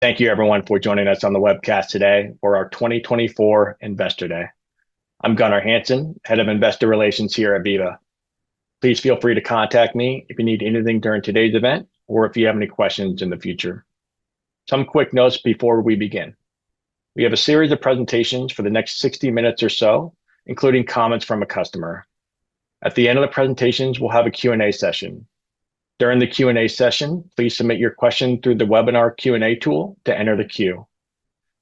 Thank you everyone for joining us on the webcast today for our 2024 Investor Day. I'm Gunnar Hansen, Head of Investor Relations here at Veeva. Please feel free to contact me if you need anything during today's event or if you have any questions in the future. Some quick notes before we begin. We have a series of presentations for the next 60 minutes or so, including comments from a customer. At the end of the presentations, we'll have a Q and A session. During the Q and A session, please submit your question through the webinar Q and A tool to enter the queue.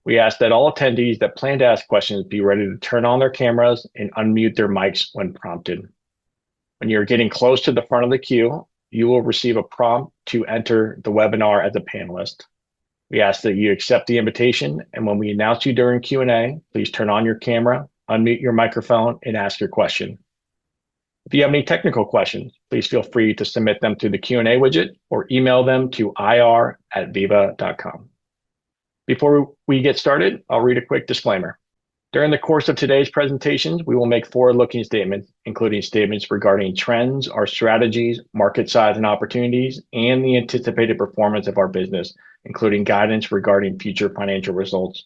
We ask that all attendees that plan to ask questions be ready to turn on their cameras and unmute their mics when prompted. When you're getting close to the front of the queue, you will receive a prompt to enter the webinar. As a panelist, we ask that you accept the invitation and when we announce you during Q and A, please turn on your camera, unmute your microphone and ask your question. If you have any technical questions, please feel free to submit them through the Q and A widget or email them to ir@veeva.com. Before we get started, I'll read a quick disclaimer. During the course of today's presentation, we will make forward-looking statements including statements regarding trends, our strategies, market size and opportunities, and the anticipated performance of our business, including guidance regarding future financial results.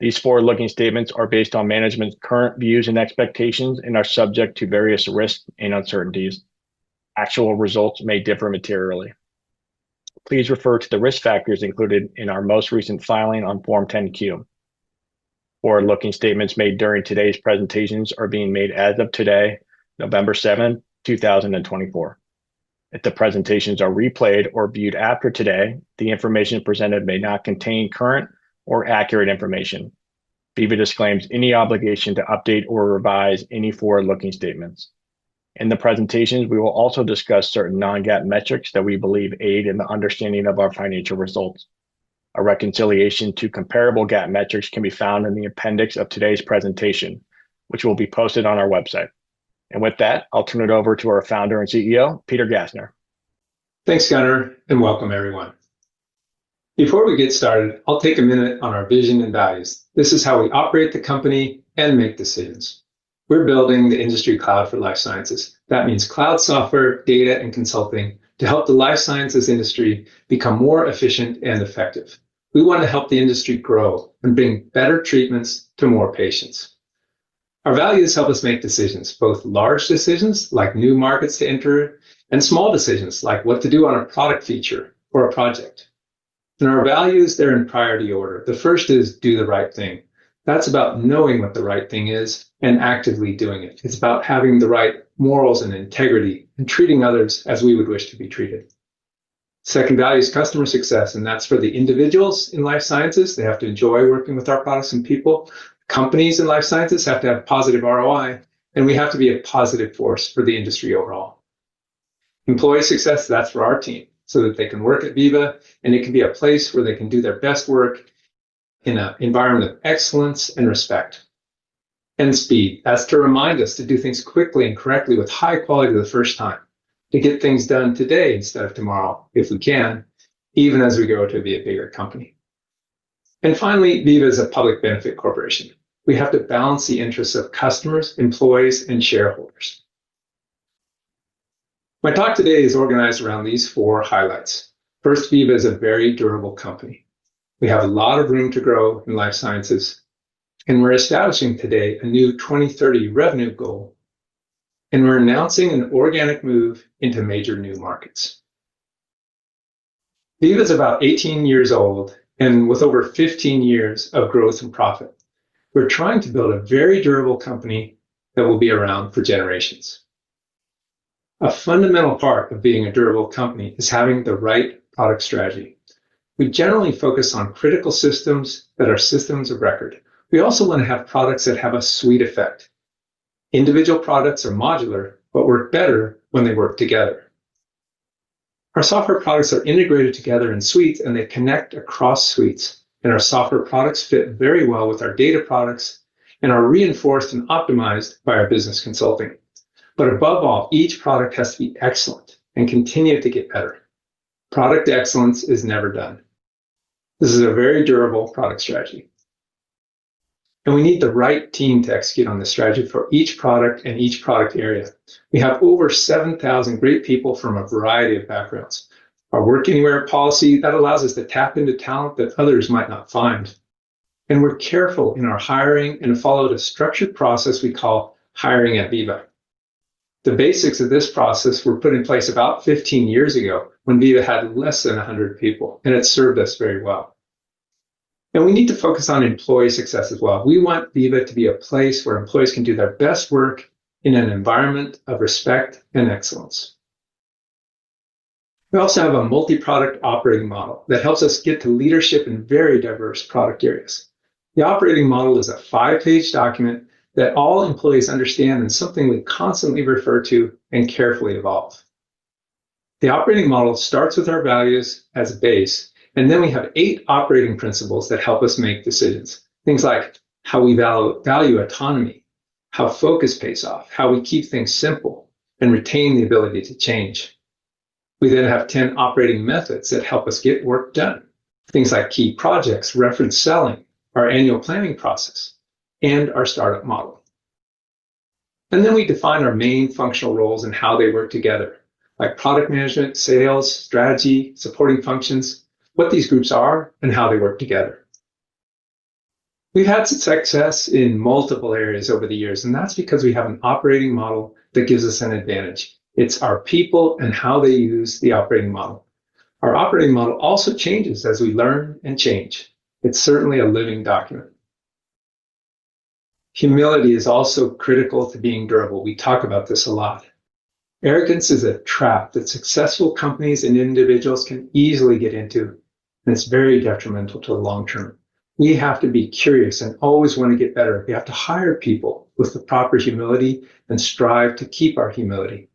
These forward-looking statements are based on management's current views and expectations and are subject to various risks and uncertainties. Actual results may differ materially. Please refer to the risk factors included in our most recent filing on Form 10-Q. Forward-looking statements made during today's presentations are being made as of today, November 7, 2024. If the presentations are replayed or viewed after today, the information presented may not contain current or accurate information. Veeva disclaims any obligation to update or revise any forward-looking statements in the presentations. We will also discuss certain non-GAAP metrics that we believe aid in the understanding of our financial results. A reconciliation to comparable GAAP metrics can be found in the appendix of today's presentation which will be posted on our website. With that, I'll turn it over to our Founder and CEO Peter Gassner. Thanks Gunnar and welcome everyone. Before we get started, I'll take a minute on our vision and values. This is how we operate the company and make decisions. We're building the industry cloud for life sciences. That means cloud software, data and consulting to help the life sciences industry become more efficient and effective. We want to help the industry grow and bring better treatments to more patients. Our values help us make decisions, both large decisions like new markets to enter and small decisions like what to do on a product feature or a project. And our values, they're in priority order. The first is do the right thing. That's about knowing what the right thing is and actively doing it. It's about having the right morals and integrity and treating others as we would wish to be treated. Second value is customer success. And that's for the individuals in life sciences. They have to enjoy working with our products and people. Companies in life sciences have to have positive ROI and we have to be a positive force for the industry. Overall employee success. That's for our team, so that they can work at Veeva and it can be a place where they can do their best work in an environment of excellence and respect and speed. That's to remind us to do things quickly and correctly with high quality the first time, to get things done today instead of tomorrow if we can, even as we grow to be a bigger company. And finally, Veeva is a public benefit corporation. We have to balance the interests of customers, employees and shareholders. My talk today is organized around these four highlights. First, Veeva is a very durable company. We have a lot of room to grow in life sciences. We're establishing today a new 2030 revenue goal. We're announcing an organic move into major new markets. Veeva is about 18 years old and with over 15 years of growth and profit, we're trying to build a very durable company that will be around for generations. A fundamental part of being a durable company is having the right product strategy. We generally focus on critical systems that are systems of record. We also want to have products that have a suite effect. Individual products are modular, but work better when they work together. Our software products are integrated together in suites and they connect across suites. Our software products fit very well with our data products and are reinforced and optimized by our business consulting. But above all, each product has to be excellent and continue to get better. Product excellence is never done. This is a very durable product strategy and we need the right team to execute on this strategy. For each product and each product area, we have over 7,000 great people from a variety of backgrounds. Our work anywhere policy that allows us to tap into talent that others might not find. And we're careful in our hiring and followed a structured process we call hiring at Veeva. The basics of this process were put in place about 15 years ago when Veeva had less than 100 people. And it served us very well. And we need to focus on employee success as well. We want Veeva to be a place where employees can do their best work in an environment of respect and excellence. We also have a multi-product operating model that helps us get to leadership in very diverse product areas. The operating model is a five-page document that all employees understand and something we constantly refer to and carefully evolve. The operating model starts with our values as a base. And then we have eight operating principles that help us make decisions. Things like how we value autonomy, how focus pays off, how we keep things simple and retain the ability to change. We then have 10 operating methods that help us get work done. Things like key projects, reference selling, our annual planning process and our startup model. And then we define our main functional roles and how they work together like product management, sales strategy, supporting functions, what these groups are and how they work together. We've had success in multiple areas over the years and that's because we have an operating model that gives us an advantage. It's our people and how they use the operating model. Our operating model also changes as we learn and change. It's certainly a living document. Humility is also critical to being durable. We talk about this a lot. Arrogance is a trap that successful companies and individuals can easily get into and it's very detrimental to the long term. We have to be curious and always want to get better. We have to hire people with the proper humility and strive to keep our humility.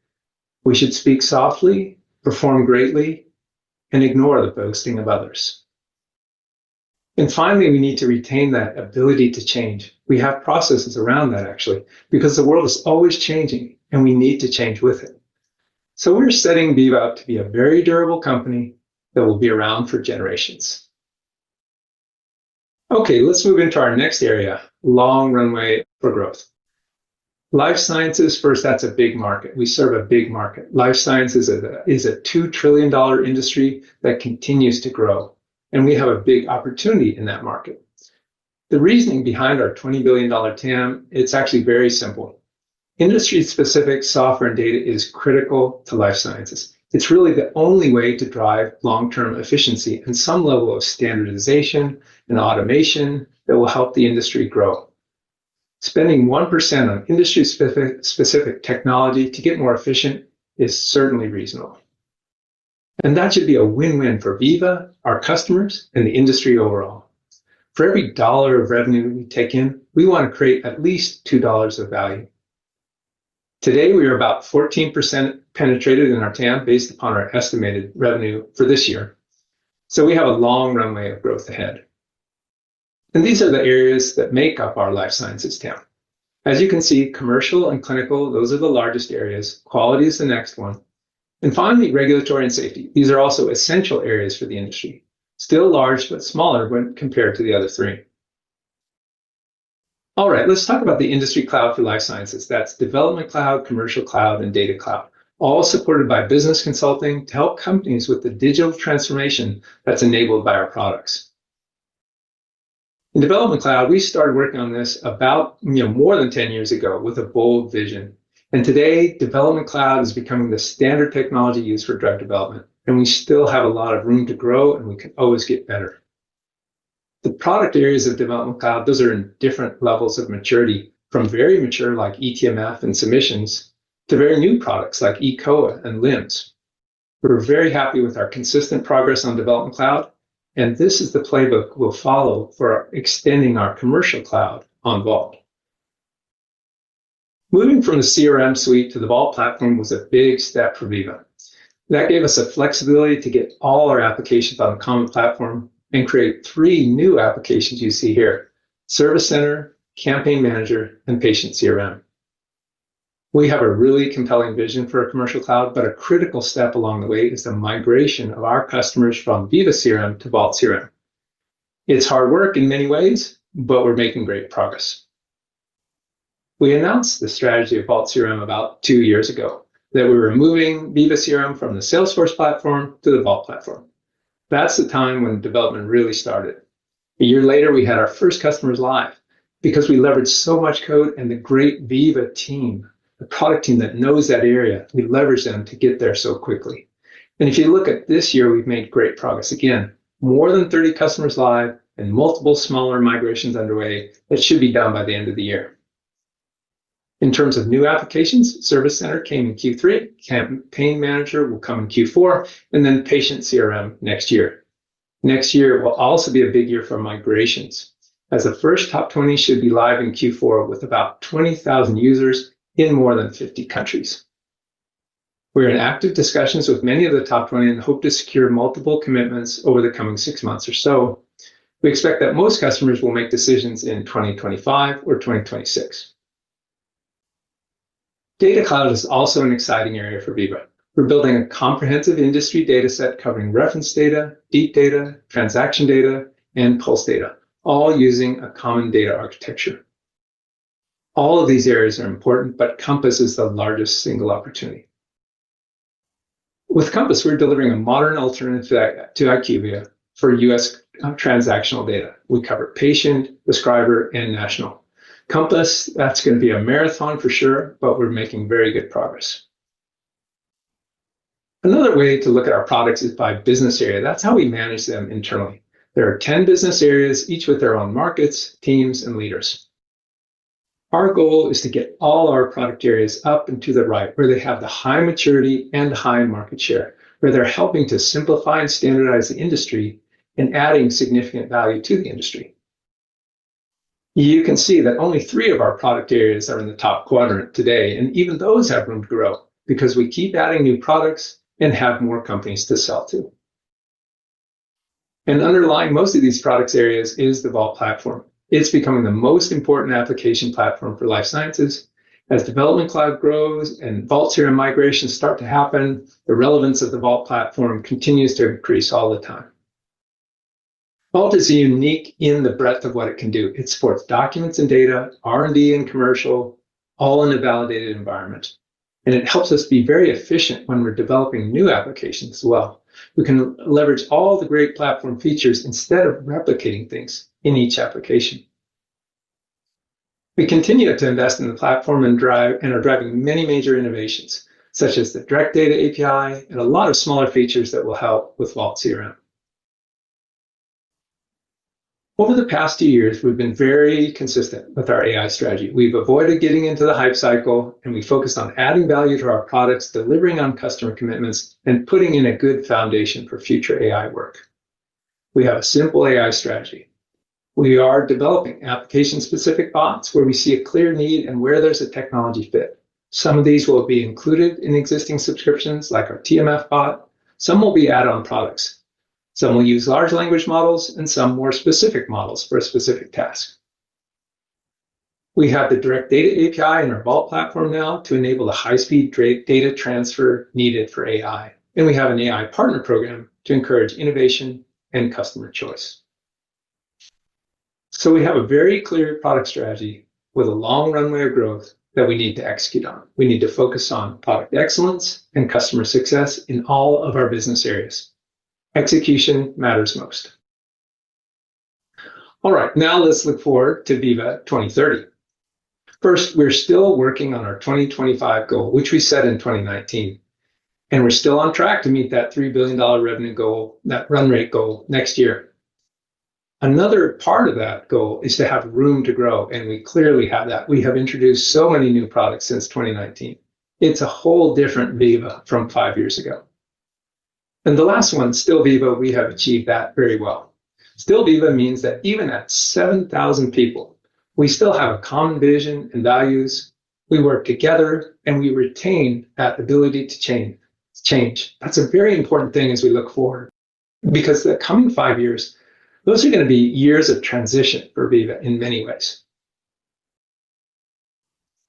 We should speak softly, perform greatly and ignore the boasting of others. And finally, we need to retain that ability to change. We have processes around that actually because the world is always changing and we need to change with it. So we're setting Veeva up to be a very durable company that will be around for generations. Okay, let's move into our next area. Long Runway for growth. Life Sciences first. That's a big market. We serve a big market. Life Sciences is a $2 trillion industry that continues to grow and we have a big opportunity in that market. The reasoning behind our $20 billion TAM, it's actually very simple. Industry-specific software and data is critical to Life Sciences. It's really the only way to drive long-term efficiency and some level of standardization and automation that will help the industry grow. Spending 1% on industry-specific technology to get more efficient is certainly reasonable and that should be a win-win for Veeva, our customers and the industry overall. For every dollar of revenue we take in, we want to create at least $2 of value. Today we are about 14% penetrated in our TAM based upon our estimated revenue for this year, so we have a long runway of growth ahead, and these are the areas that make up our life sciences TAM, as you can see, commercial and clinical, those are the largest areas. Quality is the next one, and finally regulatory and safety. These are also essential areas for the industry. Still large, but smaller when compared to the other three. All right, let's talk about the industry cloud for life sciences. That's Development Cloud, Commercial Cloud, and Data Cloud, all supported by business consulting to help companies with the digital transformation that's enabled by our products in Development Cloud. We started working on this about, you know, more than 10 years ago with a bold vision, and today Development Cloud is becoming the standard technology used for drug development. And we still have a lot of room to grow and we can always get better. The product areas of Development Cloud, those are in different levels of maturity, from very mature like eTMF and Submissions to very new products like eCOA and LIMS. We're very happy with our consistent progress on Development Cloud. And this is the playbook we'll follow for extending our Commercial Cloud on Vault. Moving from the CRM suite to the Vault platform was a big step for Veeva that gave us the flexibility to get all our applications on the common platform and create three new applications you see here. Service Center, Campaign Manager, and Patient CRM. We have a really compelling vision for a Commercial Cloud, but a critical step along the way is the migration of our customers from Veeva CRM to Vault CRM. It's hard work in many ways, but we're making great progress. We announced the strategy of Vault CRM about two years ago that we were moving Veeva CRM from the Salesforce platform to the Vault platform. That's the time when development really started. A year later, we had our first customers live because we leveraged so much code and the great Veeva team, the product team that knows that area, we leverage them to get there so quickly. And if you look at this year, we've made great progress again. More than 30 customers live and multiple smaller migrations underway that should be done by the end of the year. In terms of new applications, Service Center came in Q3, Campaign Manager will come in Q4, and then Patient CRM next year. Next year will also be a big year for migrations, as the first top 20 should be live in Q4 with about 20,000 users in more than 50 countries. We're in active discussions with many of the top 20 and hope to secure multiple commitments over the coming six months or so. We expect that most customers will make decisions in 2025 or 2026. Data Cloud is also an exciting area for Veeva. We're building a comprehensive industry data set covering reference data, deep data, transaction data and Pulse data, all using a common data architecture. All of these areas are important, but Compass is the largest single opportunity. With Compass, we're delivering a modern alternative to IQVIA for U.S. transactional data. We have Patient, Prescriber and National Compass. That's going to be a marathon for sure, but we're making very good progress. Another way to look at our products is by business area. That's how we manage them internally. There are 10 business areas, each with their own markets, teams and leaders. Our goal is to get all our product areas up and to the right, where they have the high maturity and high market share, where they're helping to simplify and standardize the industry and adding significant value to the industry. You can see that only three of our product areas are in the top quadrant today and even those have room to grow because we keep adding new products and have more companies to sell to. And underlying most of these products areas is the Vault Platform. It's becoming the most important application platform for life sciences. As Development Cloud grows and Vault migrations start to happen, the relevance of the Vault Platform continues to increase all the time. Vault is unique in the breadth of what it can do. It supports documents and data, R&D and commercial, all in a validated environment, and it helps us be very efficient when we're developing new applications as well. We can leverage all the great platform features instead of replicating things in each application. We continue to invest in the platform and are driving many major innovations such as the Direct Data API and a lot of smaller features that will help with Vault CRM. Over the past two years we've been very consistent with our AI strategy. We've avoided getting into the hype cycle and we focused on adding value to our products, delivering on customer commitments and putting in a good foundation for future AI work. We have a simple AI strategy. We are developing application specific bots where we see a clear need and where there's a technology fit. Some of these will be included in existing subscriptions like our TMF Bot. Some will be add on products, some will use large language models and some more specific models for a specific task. We have the Direct Data API in our Vault Platform now to enable the high speed data transfer needed for AI. And we have an AI partner program to encourage innovation and customer choice. So we have a very clear product strategy with a long runway of growth that we need to execute on. We need to focus on product excellence and customer success in all of our business areas. Execution matters most. All right, now let's look forward to Veeva 2030. First, we're still working on our 2025 goal, which we set in 2019, and we're still on track to meet that $3 billion revenue goal, that run rate goal next year. Another part of that goal is to have room to grow and we clearly have that. We have introduced so many new products since 2019. It's a whole different Veeva from five years ago and the last one, Still Veeva. We have achieved that very well. Still Veeva means that even at 7,000 people, we still have a common vision and values. We work together and we retain that ability to change. That's a very important thing as we look forward. Because the coming five years, those are going to be years of transition for Veeva in many ways.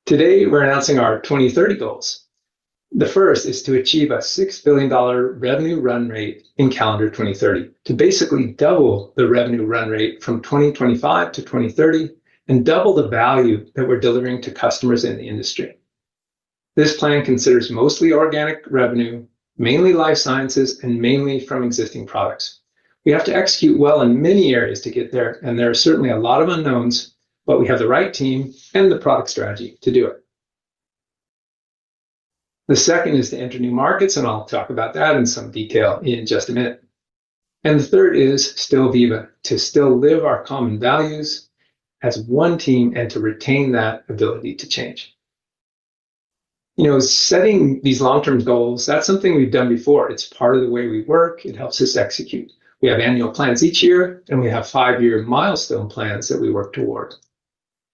Today we're announcing our 2030 goals. The first is to achieve a $6 billion revenue run rate in calendar 2030 to basically double the revenue run rate from 2025 to 2030 and double the value that we're delivering to customers in the industry. This plan considers mostly organic revenue, mainly life sciences and mainly from existing products. We have to execute well in many areas to get there and there are certainly a lot of unknowns, but we have the right team and the product strategy to do it. The second is to enter new markets and I'll talk about that in some detail in just a minute. The third is still Veeva, to still live our common values as one team and to retain that ability to change, you know, setting these long term goals. That's something we've done before. It's part of the way we work. It helps us execute. We have annual plans each year and we have five-year milestone plans that we work toward.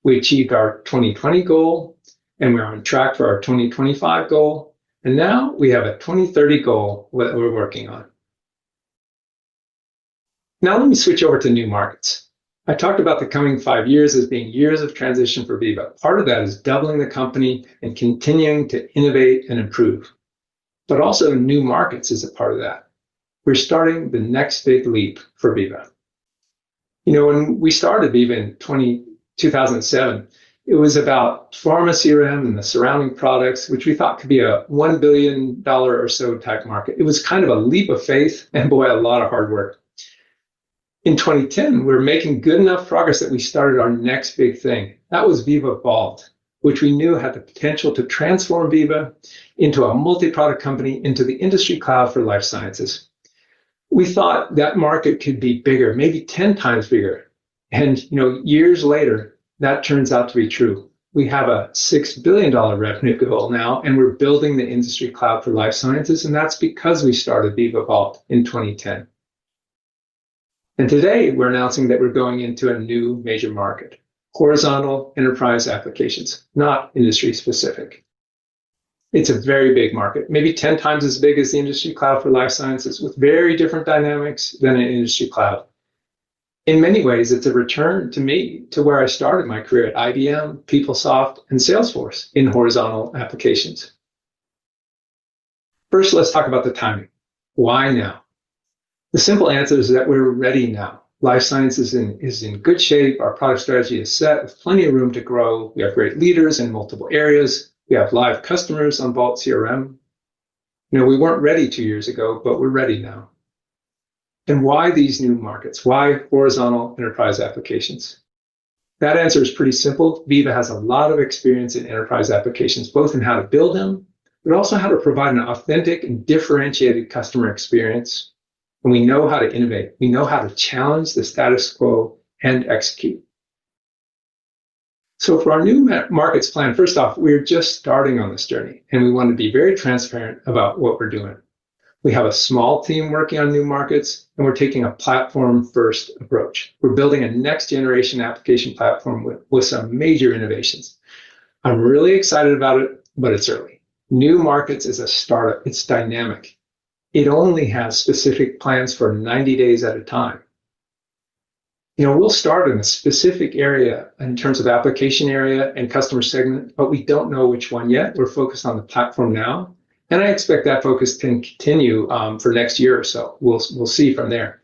We achieved our 2020 goal and we're on track for our 2025 goal, and now we have a 2030 goal that we're working on. Now let me switch over to new markets. I talked about the coming five years as being years of transition for Veeva. Part of that is doubling the company and continuing to innovate and improve, but also new markets is a part of that. We're starting the next big leap for Veeva. You know, when we started Veeva in 2007, it was about pharma CRM and the surrounding products, which we thought could be a $1 billion or so type market. It was kind of a leap of faith and boy, a lot of hard work. In 2010, we were making good enough progress that we started our next big thing that was Veeva Vault, which we knew had the potential to transform Veeva into a multi product company, into the industry cloud for life sciences. We thought that market could be bigger, maybe 10 times bigger. And you know, years later that turns out to be true. We have a $6 billion revenue goal now and we're building the industry cloud for life sciences. And that's because we started Veeva Vault in 2010. And today we're announcing that we're going into a new major market, horizontal enterprise applications. Not industry specific. It's a very big market, maybe 10 times as big as the industry cloud for life sciences with very different dynamics than an industry cloud in many ways. It's a return to me to where I started my career at IBM, PeopleSoft and Salesforce in horizontal applications. First, let's talk about the timing. Why now? The simple answer is that we're ready now. Life science is in good shape. Our product strategy is set with plenty of room to grow. We have great leaders in multiple areas. We have live customers on Vault CRM. We weren't ready two years ago, but we're ready now. And why these new markets? Why horizontal enterprise applications? That answer is pretty simple. Veeva has a lot of experience in enterprise applications, both in how to build them, but also how to provide an authentic and differentiated customer experience. And we know how to innovate, we know how to challenge the status quo and execute. So for our new markets plan, first off, we're just starting on this journey and we want to be very transparent about what we're doing. We have a small team working on new markets and we're taking a platform first approach. We're building a next generation application platform with some major innovations. I'm really excited about it. But it's early new markets is a startup, it's dynamic, it only has specific plans for 90 days at a time. You know, we'll start in a specific area in terms of application area and customer segment, but we don't know which one yet. We're focused on the platform now and I expect that focus can continue for next year or so. We'll see from there.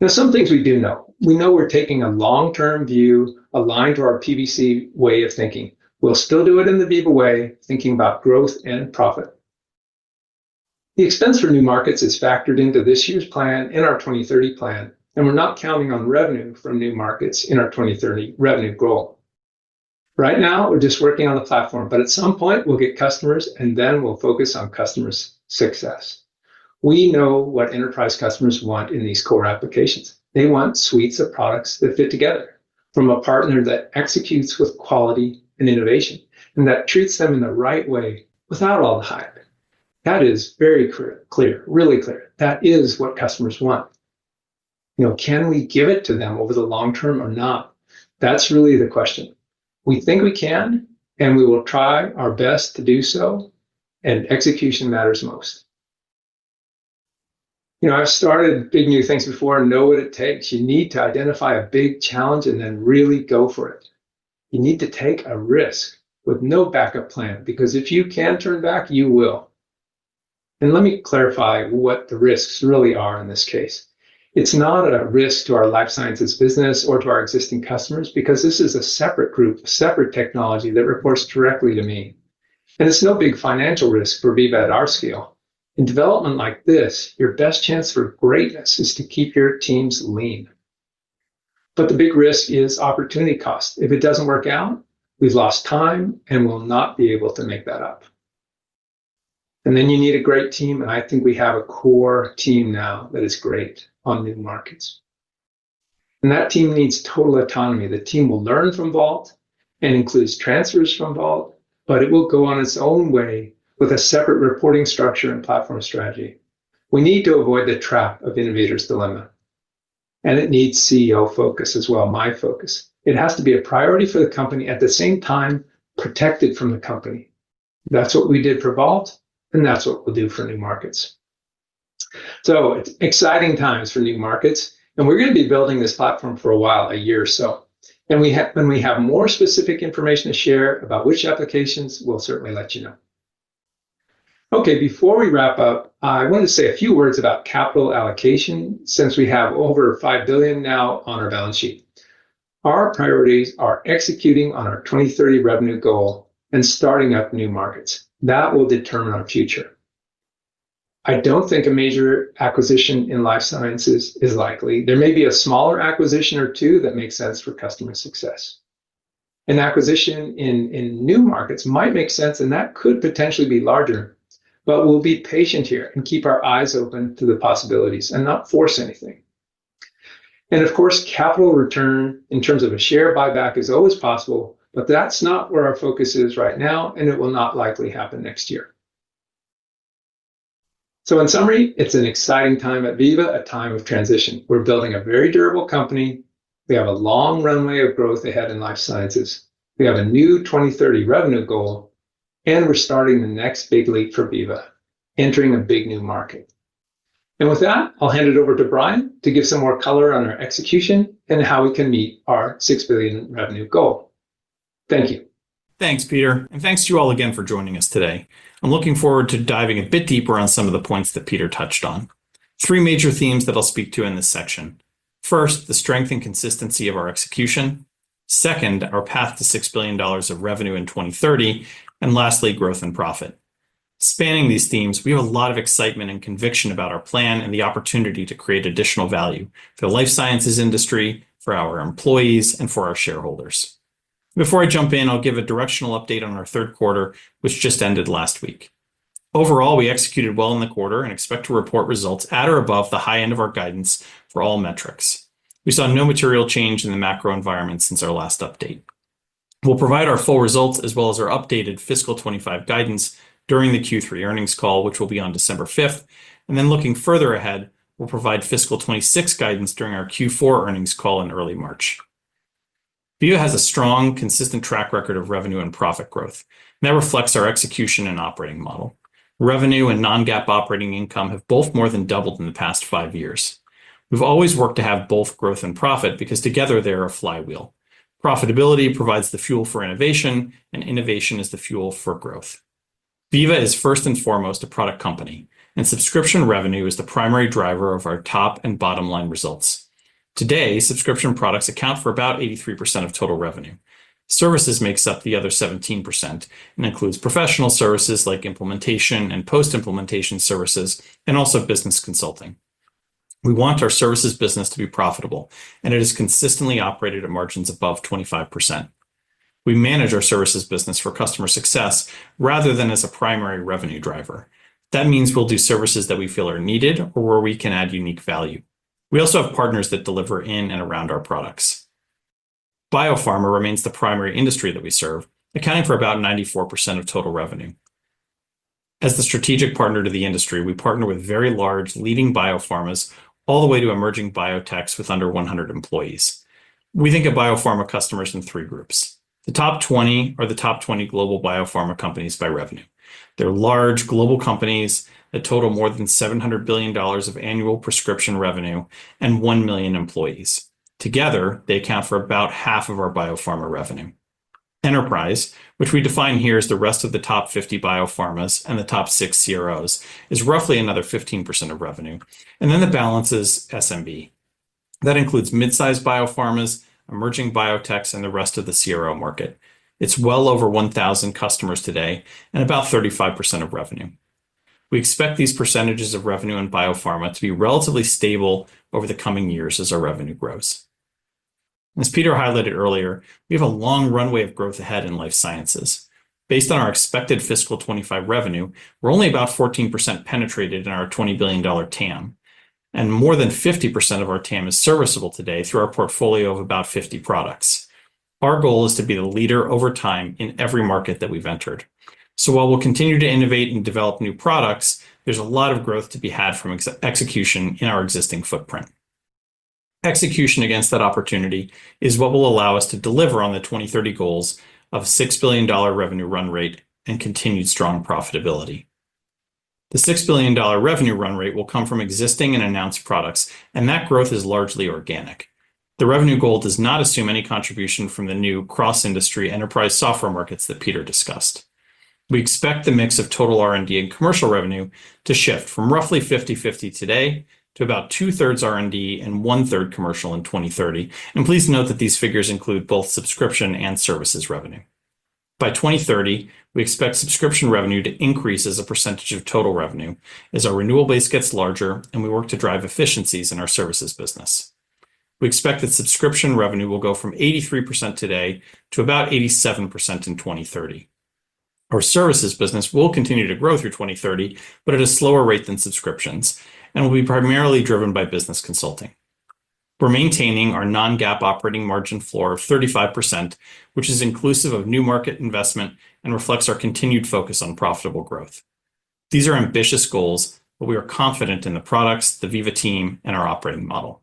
Now, some things we do know. We know we're taking a long term view aligned to our PBC way of thinking. We'll still do it in the Veeva way, thinking about growth and profit. The expense for new markets is factored into this year's plan, in our 2030 plan. And we're not counting on revenue from new markets in our 2030 revenue goal. Right now. We're just working on the platform, but at some point we'll get customers and then we'll focus on customer success. We know what enterprise customers want in these core applications. They want suites of products that fit together from a partner that executes with quality and innovation and that treats them in the right way without all the hype. That is very clear, really clear. That is what customers want. You know, can we give it to them over the long term or not? That's really the question. We think we can and we will try our best to do so. And execution matters most. I've started big new things before and know what it takes. You need to identify a big challenge and then really go for it. You need to take a risk with no backup plan because if you can turn back, you will. And let me clarify what the risks really are in this case, it's not a risk to our Life Sciences business or to our existing customers, because this is a separate group, separate technology that reports directly to me. And it's no big financial risk for Veeva at our scale. In development like this, your best chance for greatness is to keep your teams lean. But the big risk is opportunity cost. If it doesn't work out, we've lost time and will not be able to make that up. And then you need a great team. I think we have a core team now that is great on new markets. That team needs total autonomy. The team will learn from Vault and includes transfers from Vault, but it will go on its own way with a separate reporting structure and platform strategy. We need to avoid the trap of Innovator's Dilemma. It needs CEO focus as well. My focus. It has to be a priority for the company, at the same time protected from the company. That's what we did for Vault and that's what we'll do for new markets. It's exciting times for new markets. We're going to be building this platform for a while, a year or so. We have more specific information to share about which applications. We'll certainly let you know. Okay, before we wrap up, I want to say a few words about capital allocation. Since we have over $5 billion now on our balance sheet, our priorities are executing on our 2030 revenue goal and starting up new markets that will determine our future. I don't think a major acquisition in Life Sciences is likely. There may be a smaller acquisition or two that makes sense for customer success. An acquisition in new markets might make sense and that could potentially be larger. But we'll be patient here and keep our eyes open to the possibilities and not force anything. And of course, capital return in terms of a share buyback is always possible, but that's not where our focus is right now and it will not likely happen next year. So in summary, it's an exciting time at Veeva, a time of transition. We're building a very durable company. We have a long runway of growth ahead in life sciences. We have a new 2030 revenue goal, and we're starting the next big leap for Veeva, entering a big new market. And with that, I'll hand it over to Brian to give some more color on our execution and how we can meet our $6 billion revenue goal. Thank you. Thanks Peter and thanks to you all again for joining us today. I'm looking forward to diving a bit deeper on some of the points that Peter touched on. Three major themes that I'll speak to in this section. First, the strength and consistency of our execution. Second, our path to $6 billion of revenue in 2030 and lastly, growth and profit. Spanning these themes, we have a lot of excitement and conviction about our plan and the opportunity to create additional value for the life sciences industry, for our employees and for our shareholders. Before I jump in, I'll give a directional update on our third quarter which just ended last week. Overall, we executed well in the quarter and expect to report results at or above the high end of our guidance for all metrics. We saw no material change in the macro environment since our last update. We'll provide our full results as well as our updated fiscal 2025 guidance during the Q3 earnings call, which will be on December 5th, and then looking further ahead, we'll provide fiscal 2026 guidance during our Q4 earnings call in early March. Veeva has a strong, consistent track record of revenue and profit growth that reflects our execution and operating model. Revenue and non-GAAP operating income have both more than doubled in the past five years. We've always worked to have both growth and profit because together they're a flywheel. Profitability provides the fuel for innovation and innovation is the fuel for growth. Veeva is first and foremost a product company and subscription revenue is the primary driver of our top and bottom line results. Today, subscription products account for about 83% of total revenue. Services makes up the other 17% and includes professional services like implementation and post implementation services and also business consulting. We want our services business to be profitable and it is consistently operated at margins above 25%. We manage our services business for customer success rather than as a primary revenue driver. That means we'll do services that we feel are needed or where we can add unique value. We also have partners that deliver in and around our products. Biopharma remains the primary industry that we serve, accounting for about 94% of total revenue. As the strategic partner to the industry, we partner with very large leading biopharmas all the way to emerging biotechs with under 100 employees. We think of biopharma customers in three groups. The top 20 are the top 20 global biopharma companies by revenue. They're large global companies that total more than $700 billion of annual prescription revenue and one million employees. Together they account for about half of our biopharma revenue enterprise, which we define here as the rest of the top 50 biopharmas and the top six CROs, is roughly another 15% of revenue, and then the balance is SMB. That includes mid-sized biopharmas, emerging biotechs, and the rest of the CRO market. It's well over 1,000 customers today and about 35% of revenue. We expect these percentages of revenue in biopharma to be relatively stable over the coming years as our revenue grows. As Peter highlighted earlier, we have a long runway of growth ahead in life sciences. Based on our expected fiscal 2025 revenue, we're only about 14% penetrated in our $20 billion TAM, and more than 50% of our TAM is serviceable today through our portfolio of about 50 products. Our goal is to be the leader over time in every market that we've entered. So while we'll continue to innovate and develop new products, there's a lot of growth to be had from execution in our existing footprint. Execution against that opportunity is what will allow us to deliver on the 2030 goals of $6 billion revenue run rate and continued strong profitability. The $6 billion revenue run rate will come from existing and announced products, and that growth is largely organic. The revenue goal does not assume any contribution from the new cross-industry enterprise software markets that Peter discussed. We expect the mix of total R&D and commercial revenue to shift from roughly 50-50 today to about two-thirds R&D and 1/3 commercial in 2030, and please note that these figures include both subscription and services revenue by 2030. We expect subscription revenue to increase as a percentage of total revenue as our renewal base gets larger and we work to drive efficiencies in our services business. We expect that subscription revenue will go from 83% today to about 87% in 2030. Our services business will continue to grow through 2030, but at a slower rate than subscriptions and will be primarily driven by business consulting. We're maintaining our non-GAAP operating margin floor of 35%, which is inclusive of new market investment and reflects our continued focus on profitable growth. These are ambitious goals, but we are confident in the products, the Veeva team and our operating model.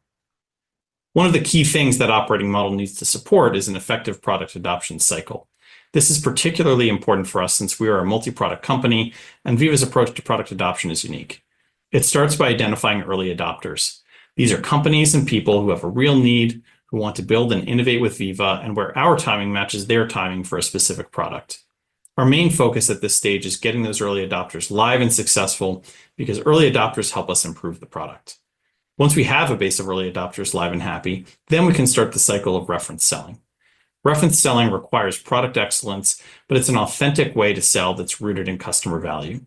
One of the key things that operating model needs to support is an effective product adoption cycle. This is particularly important for us since we are a multi product company and Veeva's approach to product adoption is unique. It starts by identifying early adopters. These are companies and people who have a real need who want to build and innovate with Veeva and where our timing matches their timing for a specific product. Our main focus at this stage is getting those early adopters live and successful because early adopters help us improve the product. Once we have a base of early adopters live and happy, then we can start the cycle of reference selling. Reference selling requires product excellence, but it's an authentic way to sell that's rooted in customer value.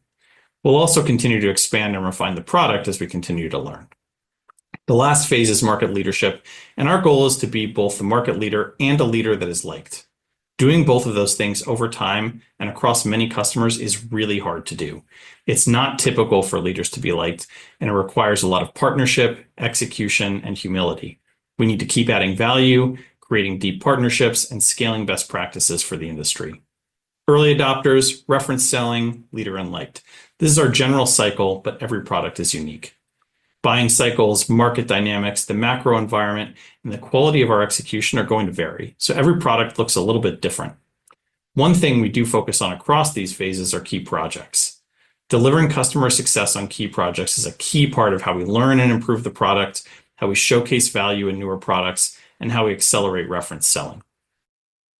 We'll also continue to expand and refine the product as we continue to learn. The last phase is market leadership and our goal is to be both the market leader and a leader that is liked. Doing both of those things over time and across many customers is really hard to do. It's not typical for leaders to be liked and it requires a lot of partnership, execution and humility. We need to keep adding value, creating deep partnerships and scaling best practices for the industry. Early adopters, reference selling, leader and liked. This is our general cycle, but every product is unique. Buying cycles, market dynamics, the macro environment and the quality of our execution are going to vary so every product looks a little bit different. One thing we do focus on across these phases are key projects. Delivering customer success on key projects is a key part of how we learn and improve the product, how we showcase value in newer products and how we accelerate reference selling.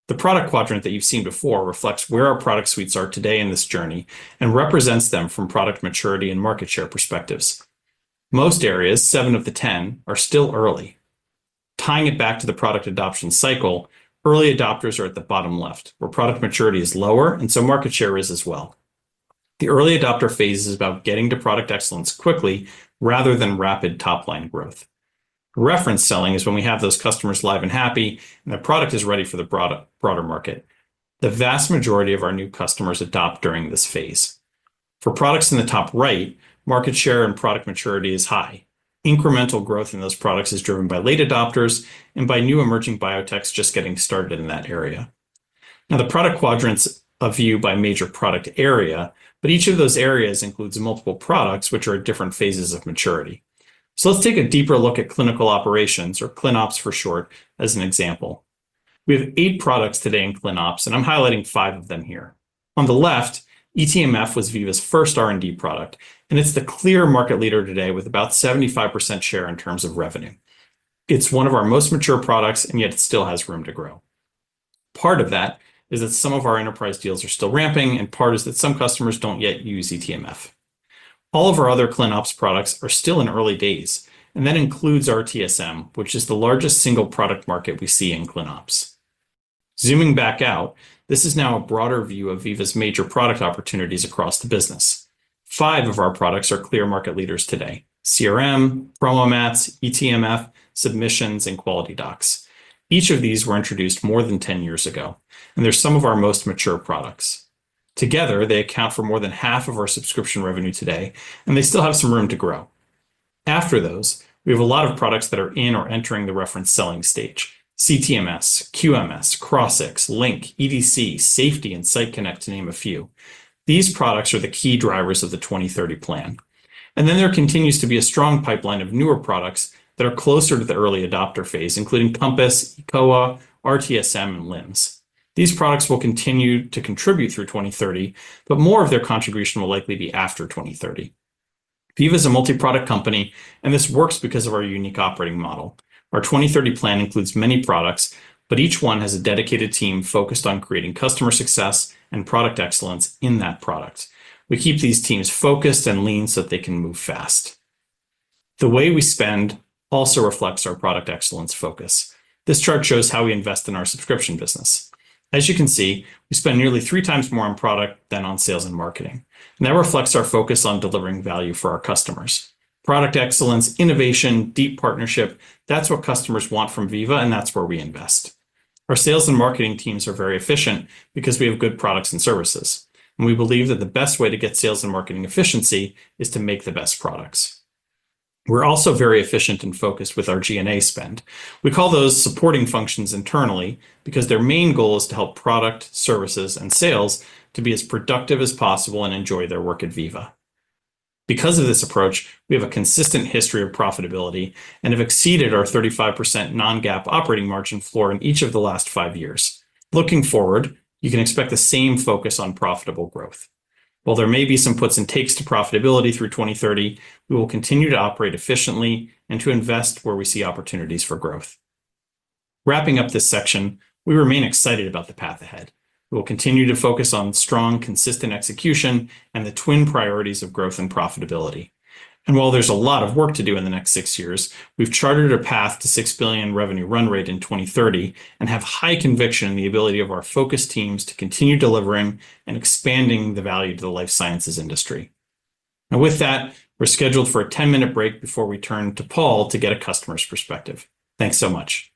The product quadrant that you've seen before reflects where our product suites are today in this journey and represents them from product maturity and market share perspectives. Most areas, seven of the 10 are still early, tying it back to the product adoption cycle. Early adopters are at the bottom left where product maturity is lower and so market share is as well. The early adopter phase is about getting to product excellence quickly rather than rapid top line growth. Reference selling is when we have those customers live and happy and the product is ready for the broader market. The vast majority of our new customers adopt during this phase. For products in the top right, market share and product maturity is high. Incremental growth in those products is driven by late adopters and by new emerging biotechs just getting started in that area. Now the product quadrants a view by major product area, but each of those areas includes multiple products which are at different phases of maturity. So let's take a deeper look at clinical operations, or ClinOps for short. As an example, we have eight products today in ClinOps and I'm highlighting five of them here on the left. eTMF was Veeva's first R&D product and it's the clear market leader today with about 75% share in terms of revenue. It's one of our most mature products and yet it still has room to grow. Part of that is that some of our enterprise deals are still ramping and part is that some customers don't yet use eTMF. All of our other ClinOps products are still in early days and that includes RTSM, which is the largest single product market we see in ClinOps. Zooming back out, this is now a broader view of Veeva's major product opportunities across the business. Five of our products are clear market leaders today. CRM, PromoMats, eTMF, Submissions, and QualityDocs. Each of these were introduced more than 10 years ago and they're some of our most mature products. Together they account for more than half of our subscription revenue today and they still have some room to grow after those. We have a lot of products that are in or entering the Reference Selling stage. CTMS, QMS, Crossix, Link, EDC, Safety, and Site Connect, to name a few. These products are the key drivers of the 2030 plan, and then there continues to be a strong pipeline of newer products that are closer to the early adopter phase, including Compass, eCOA, RTSM, and LIMS. These products will continue to contribute through 2030, but more of their contribution will likely be after 2030. Veeva is a multi-product company, and this works because of our unique operating model. Our 2030 plan includes many products, but each one has a dedicated team focused on creating customer success and product excellence in that product. We keep these teams focused and lean so that they can move fast. The way we spend also reflects our product excellence focus. This chart shows how we invest in our subscription business. As you can see, we spend nearly three times more on product than on sales and marketing and that reflects our focus on delivering value for our customers. Product excellence, innovation, deep partnership. That's what customers want from Veeva and that's where we invest. Our sales and marketing teams are very efficient because we have good products and services. And we believe that the best way to get sales and marketing efficiency is to make the best products. We're also very efficient and focused with our G&A spend. We call those supporting functions internally because their main goal is to help product, services and sales to be as productive as possible and enjoy their work. At Veeva, because of this approach, we have a consistent history of profitability and have exceeded our 35% non-GAAP operating margin floor in each of the last five years. Looking forward, you can expect the same focus on profitable growth. While there may be some puts and takes to profitability through 2030, we will continue to operate efficiently and to invest where we see opportunities for growth. Wrapping up this section, we remain excited about the path ahead. We will continue to focus on strong, consistent execution and the twin priorities of growth and profitability. And while there's a lot of work to do in the next six years, we've charted a path to $6 billion revenue run rate in 2030 and have high conviction in the ability of our focused teams to continue delivering and expanding the value to the life sciences industry. And with that, we're scheduled for a 10 minute break before we turn to Paul to get a customer's perspective. Thanks so much.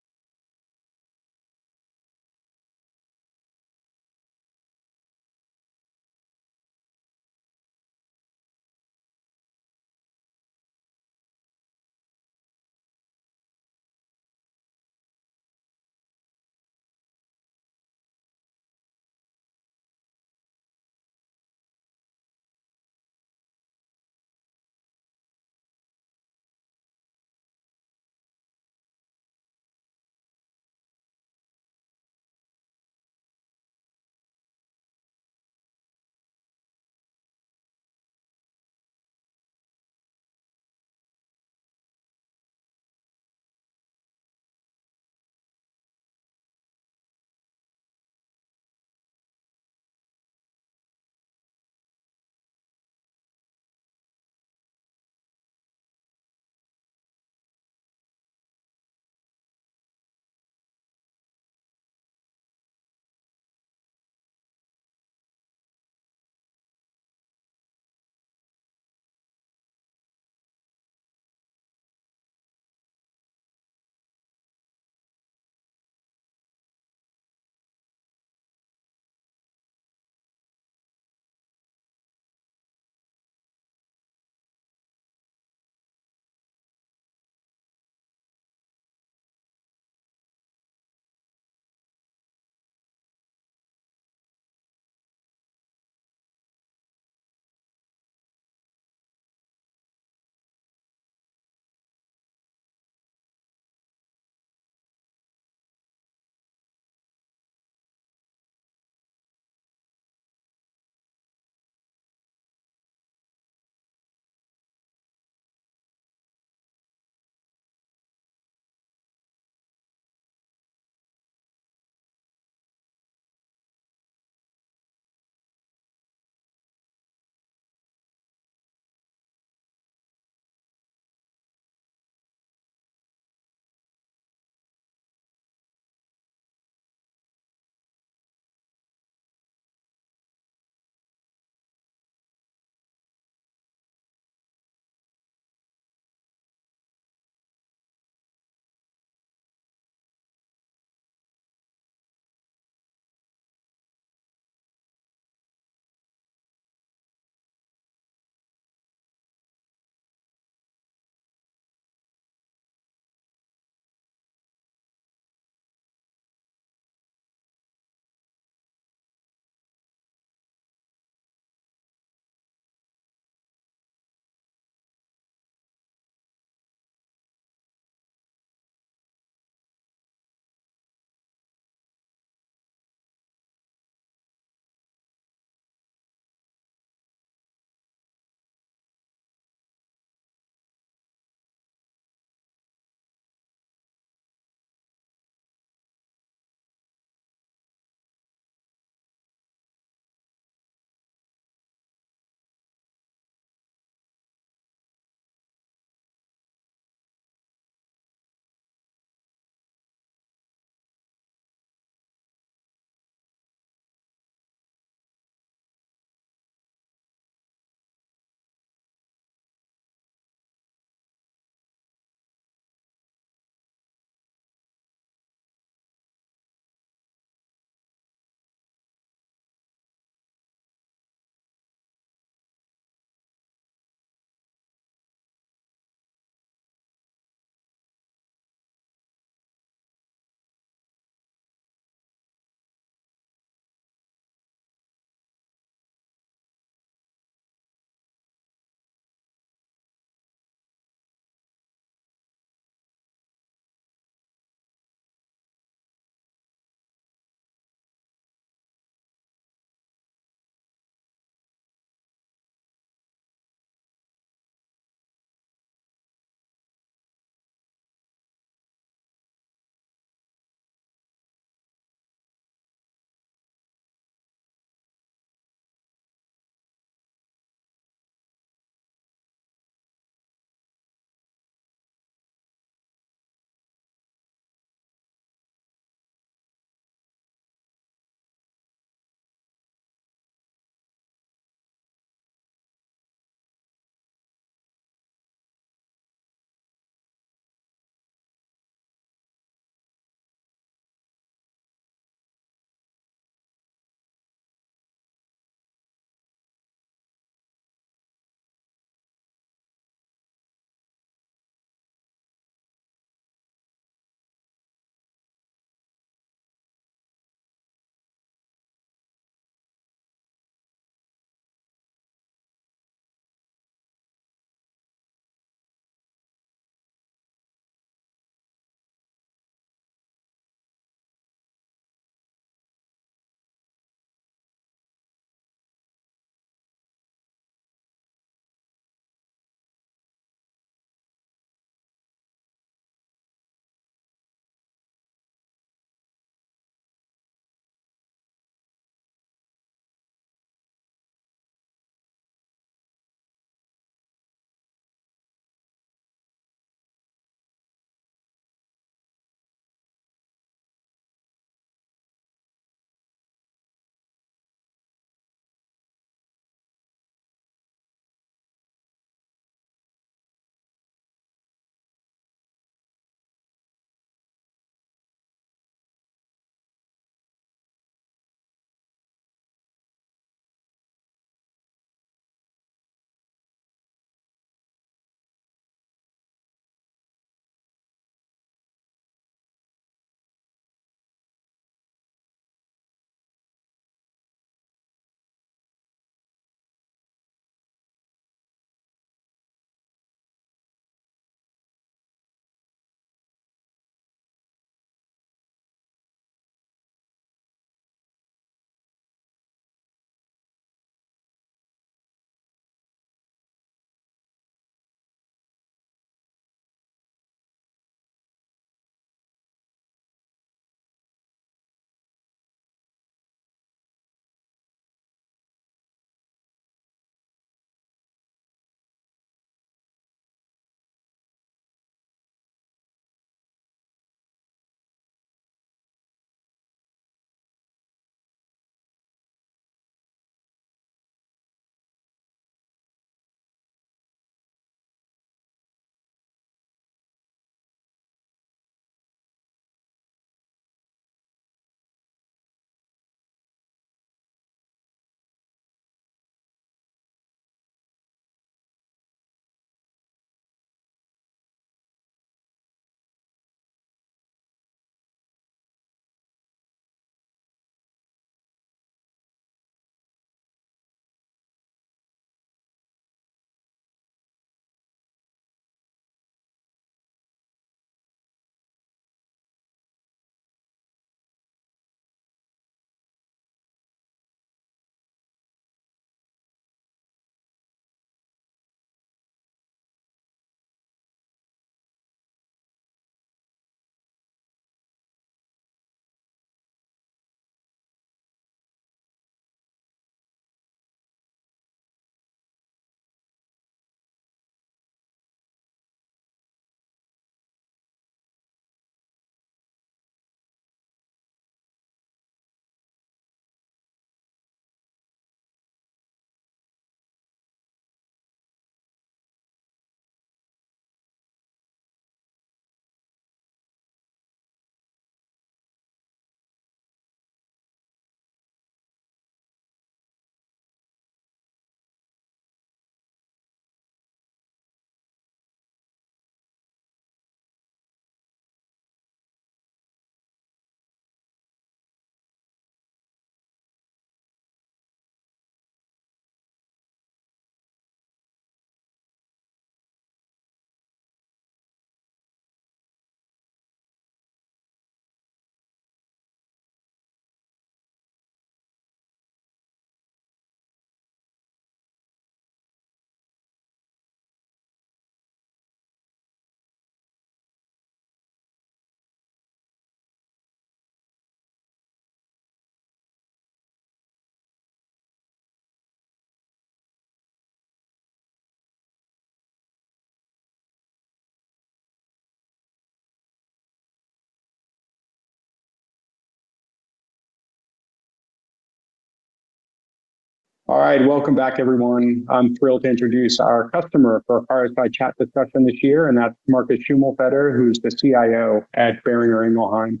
All right, welcome back everyone. I'm thrilled to introduce our customer for fireside chat discussion this year and that's Markus Schümmelfeder who's the CIO at Boehringer Ingelheim.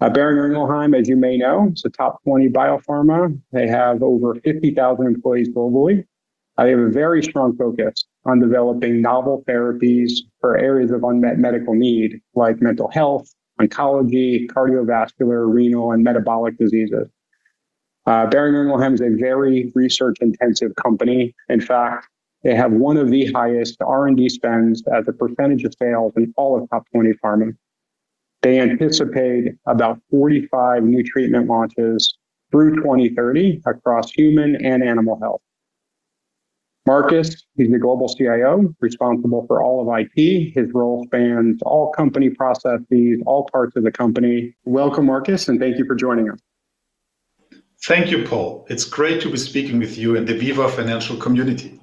Boehringer Ingelheim, as you may know, is a top 20 biopharma. They have over 50,000 employees globally. They have a very strong focus on developing novel therapies for areas of unmet medical need like mental health, oncology, cardiovascular, renal and metabolic diseases. Boehringer Ingelheim is a very research intensive company. In fact, they have one of the highest R&D spends as a percentage of sales in all of top 20 pharma. They anticipate about 45 new treatment launches through 2030 across human and animal health. Markus, he's the global CIO responsible for all of it. His role spans all company processes, all parts of the company. Welcome Markus, and thank you for joining us. Thank you, Paul. It's great to be speaking with you and the Veeva financial community.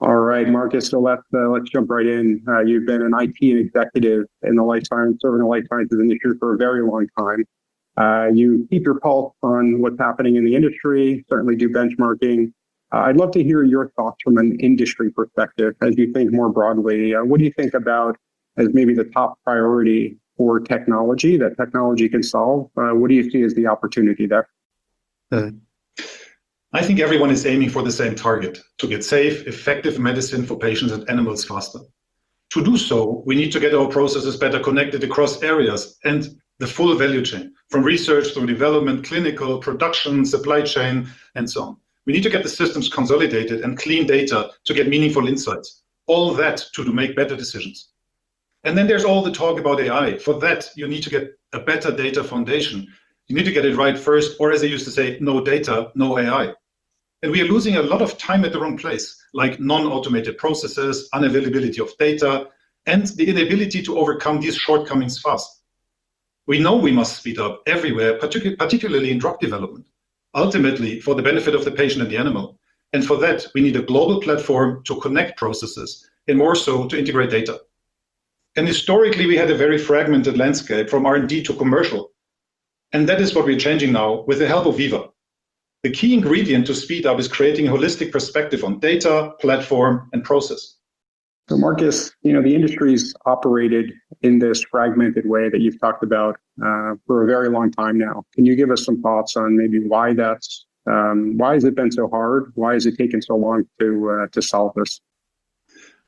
All right, Markus, so let's jump right in. You've been an IT executive in the life sciences serving the life sciences industry for a very long time. You keep your pulse on what's happening in the industry. Certainly do benchmarking. I'd love to hear your thoughts from an industry perspective as you think more broadly, what do you think about as maybe the top priority for technology, that technology can solve? What do you see as the opportunity there? I think everyone is aiming for the same target, to get safe, effective medicine for patients and animals faster. To do so, we need to get our processes better connected across areas and the full value chain from research through development, clinical production, supply chain and so on. We need to get the systems consolidated and clean data to get meaningful insights, all that to make better decisions. And then there's all the talk about AI. For that you need to get a better data foundation. You need to get it right first. Or as I used to say, no data, no AI. And we are losing a lot of time at the wrong place. Like non-automated processes, unavailability of data and the inability to overcome these shortcomings fast. We know we must speed up everywhere, particularly in drug development, ultimately for the benefit of the patient and the animal. For that we need a global platform to connect processes and more so to integrate data. Historically we had a very fragmented landscape from R&D to commercial, and that is what we're changing now. With the help of Veeva, the key ingredient to speed up is creating a holistic perspective on data, platform and process. So Markus, you know the industry's operated in this fragmented way that you've talked about for a very long time now. Can you give us some thoughts on maybe why that's? Why has it been so hard? Why has it taken so long to solve this?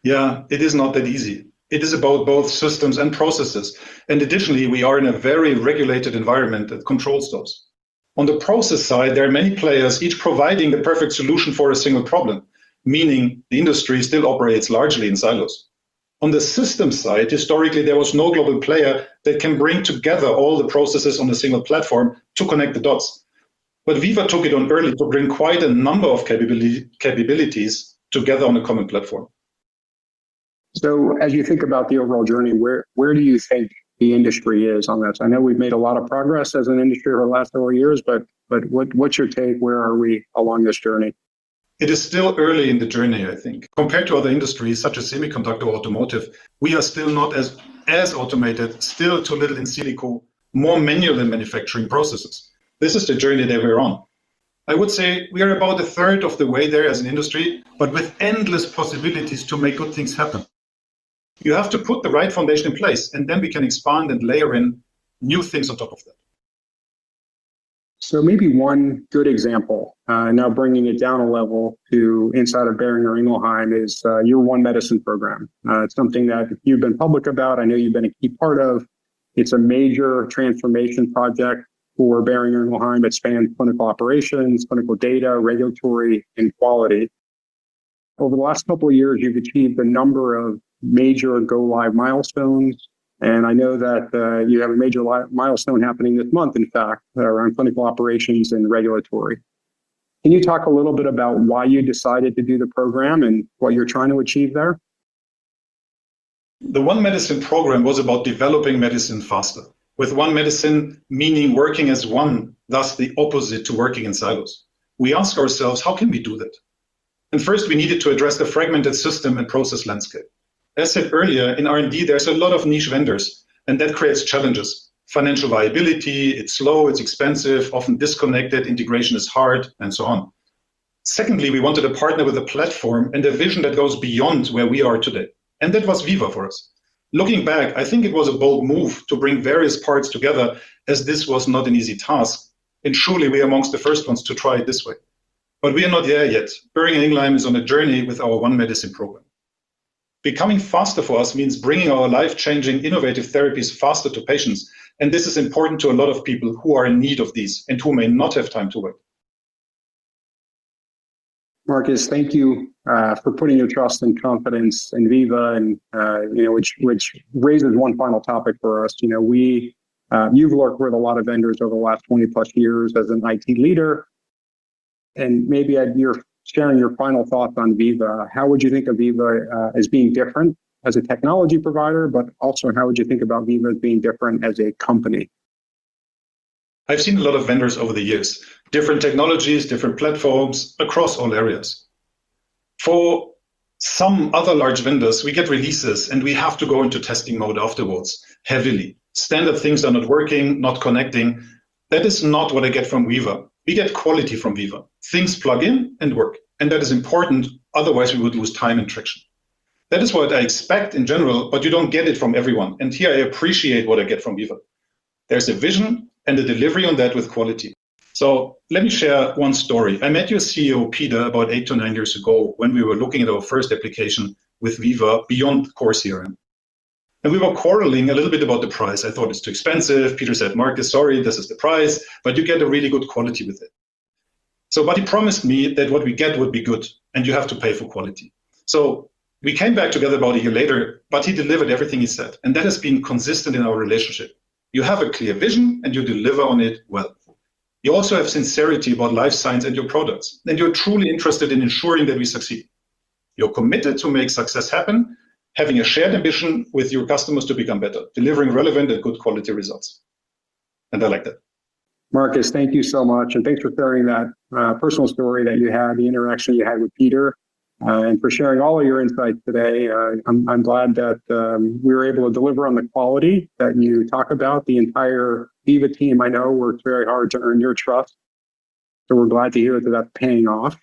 Yeah, it is not that easy. It is about both systems and processes and additionally we are in a very regulated environment that controls those. On the process side, there are many players, each providing the perfect solution for a single problem. Meaning the industry still operates largely in silos. On the system side, historically there was no global player that can bring together all the processes on a single platform to connect the dots. But Veeva took it on early to bring quite a number of capabilities together on the common platform. So as you think about the overall journey, where, where do you think the industry is on this? I know we've made a lot of progress as an industry for the last four years, but. But what, what's your take? Where are we along this journey? It is still early in the journey. I think compared to other industries such as semiconductor, automotive, we are still not as automated, still too little in silico, more manual than manufacturing processes. This is the journey that we're on. I would say we are about a third of the way there as an industry, but with endless possibilities to make good things happen. You have to put the right foundation in place and then we can expand and layer in new things on top of that. So maybe one good example, now bringing it down a level to inside of Boehringer Ingelheim, is your One Medicine program. It's something that you've been public about. I know you've been a key part of. It's a major transformation project for Boehringer Ingelheim. It spans clinical operations, clinical data, regulatory and quality. Over the last couple of years, you've achieved a number of major go-live milestones, and I know that you have a major milestone happening this month, in fact, around clinical operations and regulatory. Can you talk a little bit about why you decided to do the program and what you're trying to achieve there? The One Medicine program was about developing medicine faster with One Medicine, meaning working as one. Thus the opposite to working in silos. We ask ourselves how can we do that? And first we needed to address the fragmented system and process landscape. As said earlier in R&D, there's a lot of niche vendors and that creates challenges. Financial viability, it's slow, it's expensive, often disconnected, integration is hard, and so on. Secondly, we wanted to partner with a platform and a vision that goes beyond where we are today and that was Veeva for us. Looking back, I think it was a bold move to bring various parts together as this was not an easy task and surely we are among the first ones to try it this way. But we are not there yet. Boehringer Ingelheim is on a journey with our One Medicine program. Becoming faster for us means bringing our life-changing, innovative therapies faster to patients, and this is important to a lot of people who are in need of these and who may not have time to wait. Markus, thank you for putting your trust and confidence in Veeva, and you know, which. Which raises one final topic for us. You know, you've worked with a lot of vendors over the last 20-plus years as an IT leader, and maybe you're sharing your final thoughts on Veeva. How would you think of Veeva as being different as a technology provider, but also how would you think about Veeva as being different as a company? I've seen a lot of vendors over the years, different technologies, different platforms across all areas. For some other large vendors, we get releases and we have to go into testing mode afterwards. Heavily standard things are not working, not connecting. That is not what I get from Veeva. We get quality from Veeva. Things plug in and work and that is important. Otherwise we would lose time and traction. That is what I expect in general, but you don't get it from everyone, and here I appreciate what I get from Veeva. There's a vision and a delivery on that with quality, so let me share one story. I met your CEO, Peter, about eight to nine years ago when we were looking at our first application with Veeva beyond core CRM. And we were quarreling a little bit about the price. I thought it's too expensive. Peter said, "Markus, sorry, this is the price, but you get a really good quality with it." But he promised me that what we get would be good and you have to pay for quality. So we came back together about a year later, but he delivered everything he said, and that has been consistent in our relationship. You have a clear vision and you deliver on it well. You also have sincerity about life science and your products, and you're truly interested in ensuring that we succeed. You're committed to make success happen, having a shared ambition with your customers to become better, delivering relevant and good quality results. And I like that. Markus, thank you so much, and thanks for sharing that personal story that you had, the interaction you had with Peter, and for sharing all of your insights today. I'm glad that we were able to deliver on the quality that you talk about. The entire Veeva team I know works very hard to earn your trust, so we're glad to hear that that's paying off.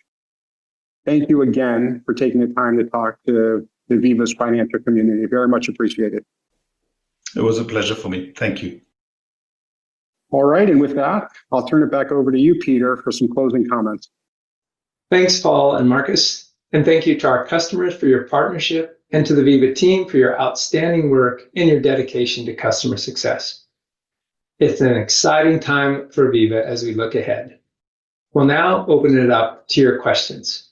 Thank you again for taking the time to talk to the Veeva's financial community. Very much appreciate. Was a pleasure for me. Thank you. All right, and with that, I'll turn it back over to you, Peter, for some closing comments. Thanks, Paul and Markus, and thank you to our customers for your partnership and to the Veeva team for your outstanding work and your dedication to customer success. It's an exciting time for Veeva as we look ahead. We'll now open it up to your questions.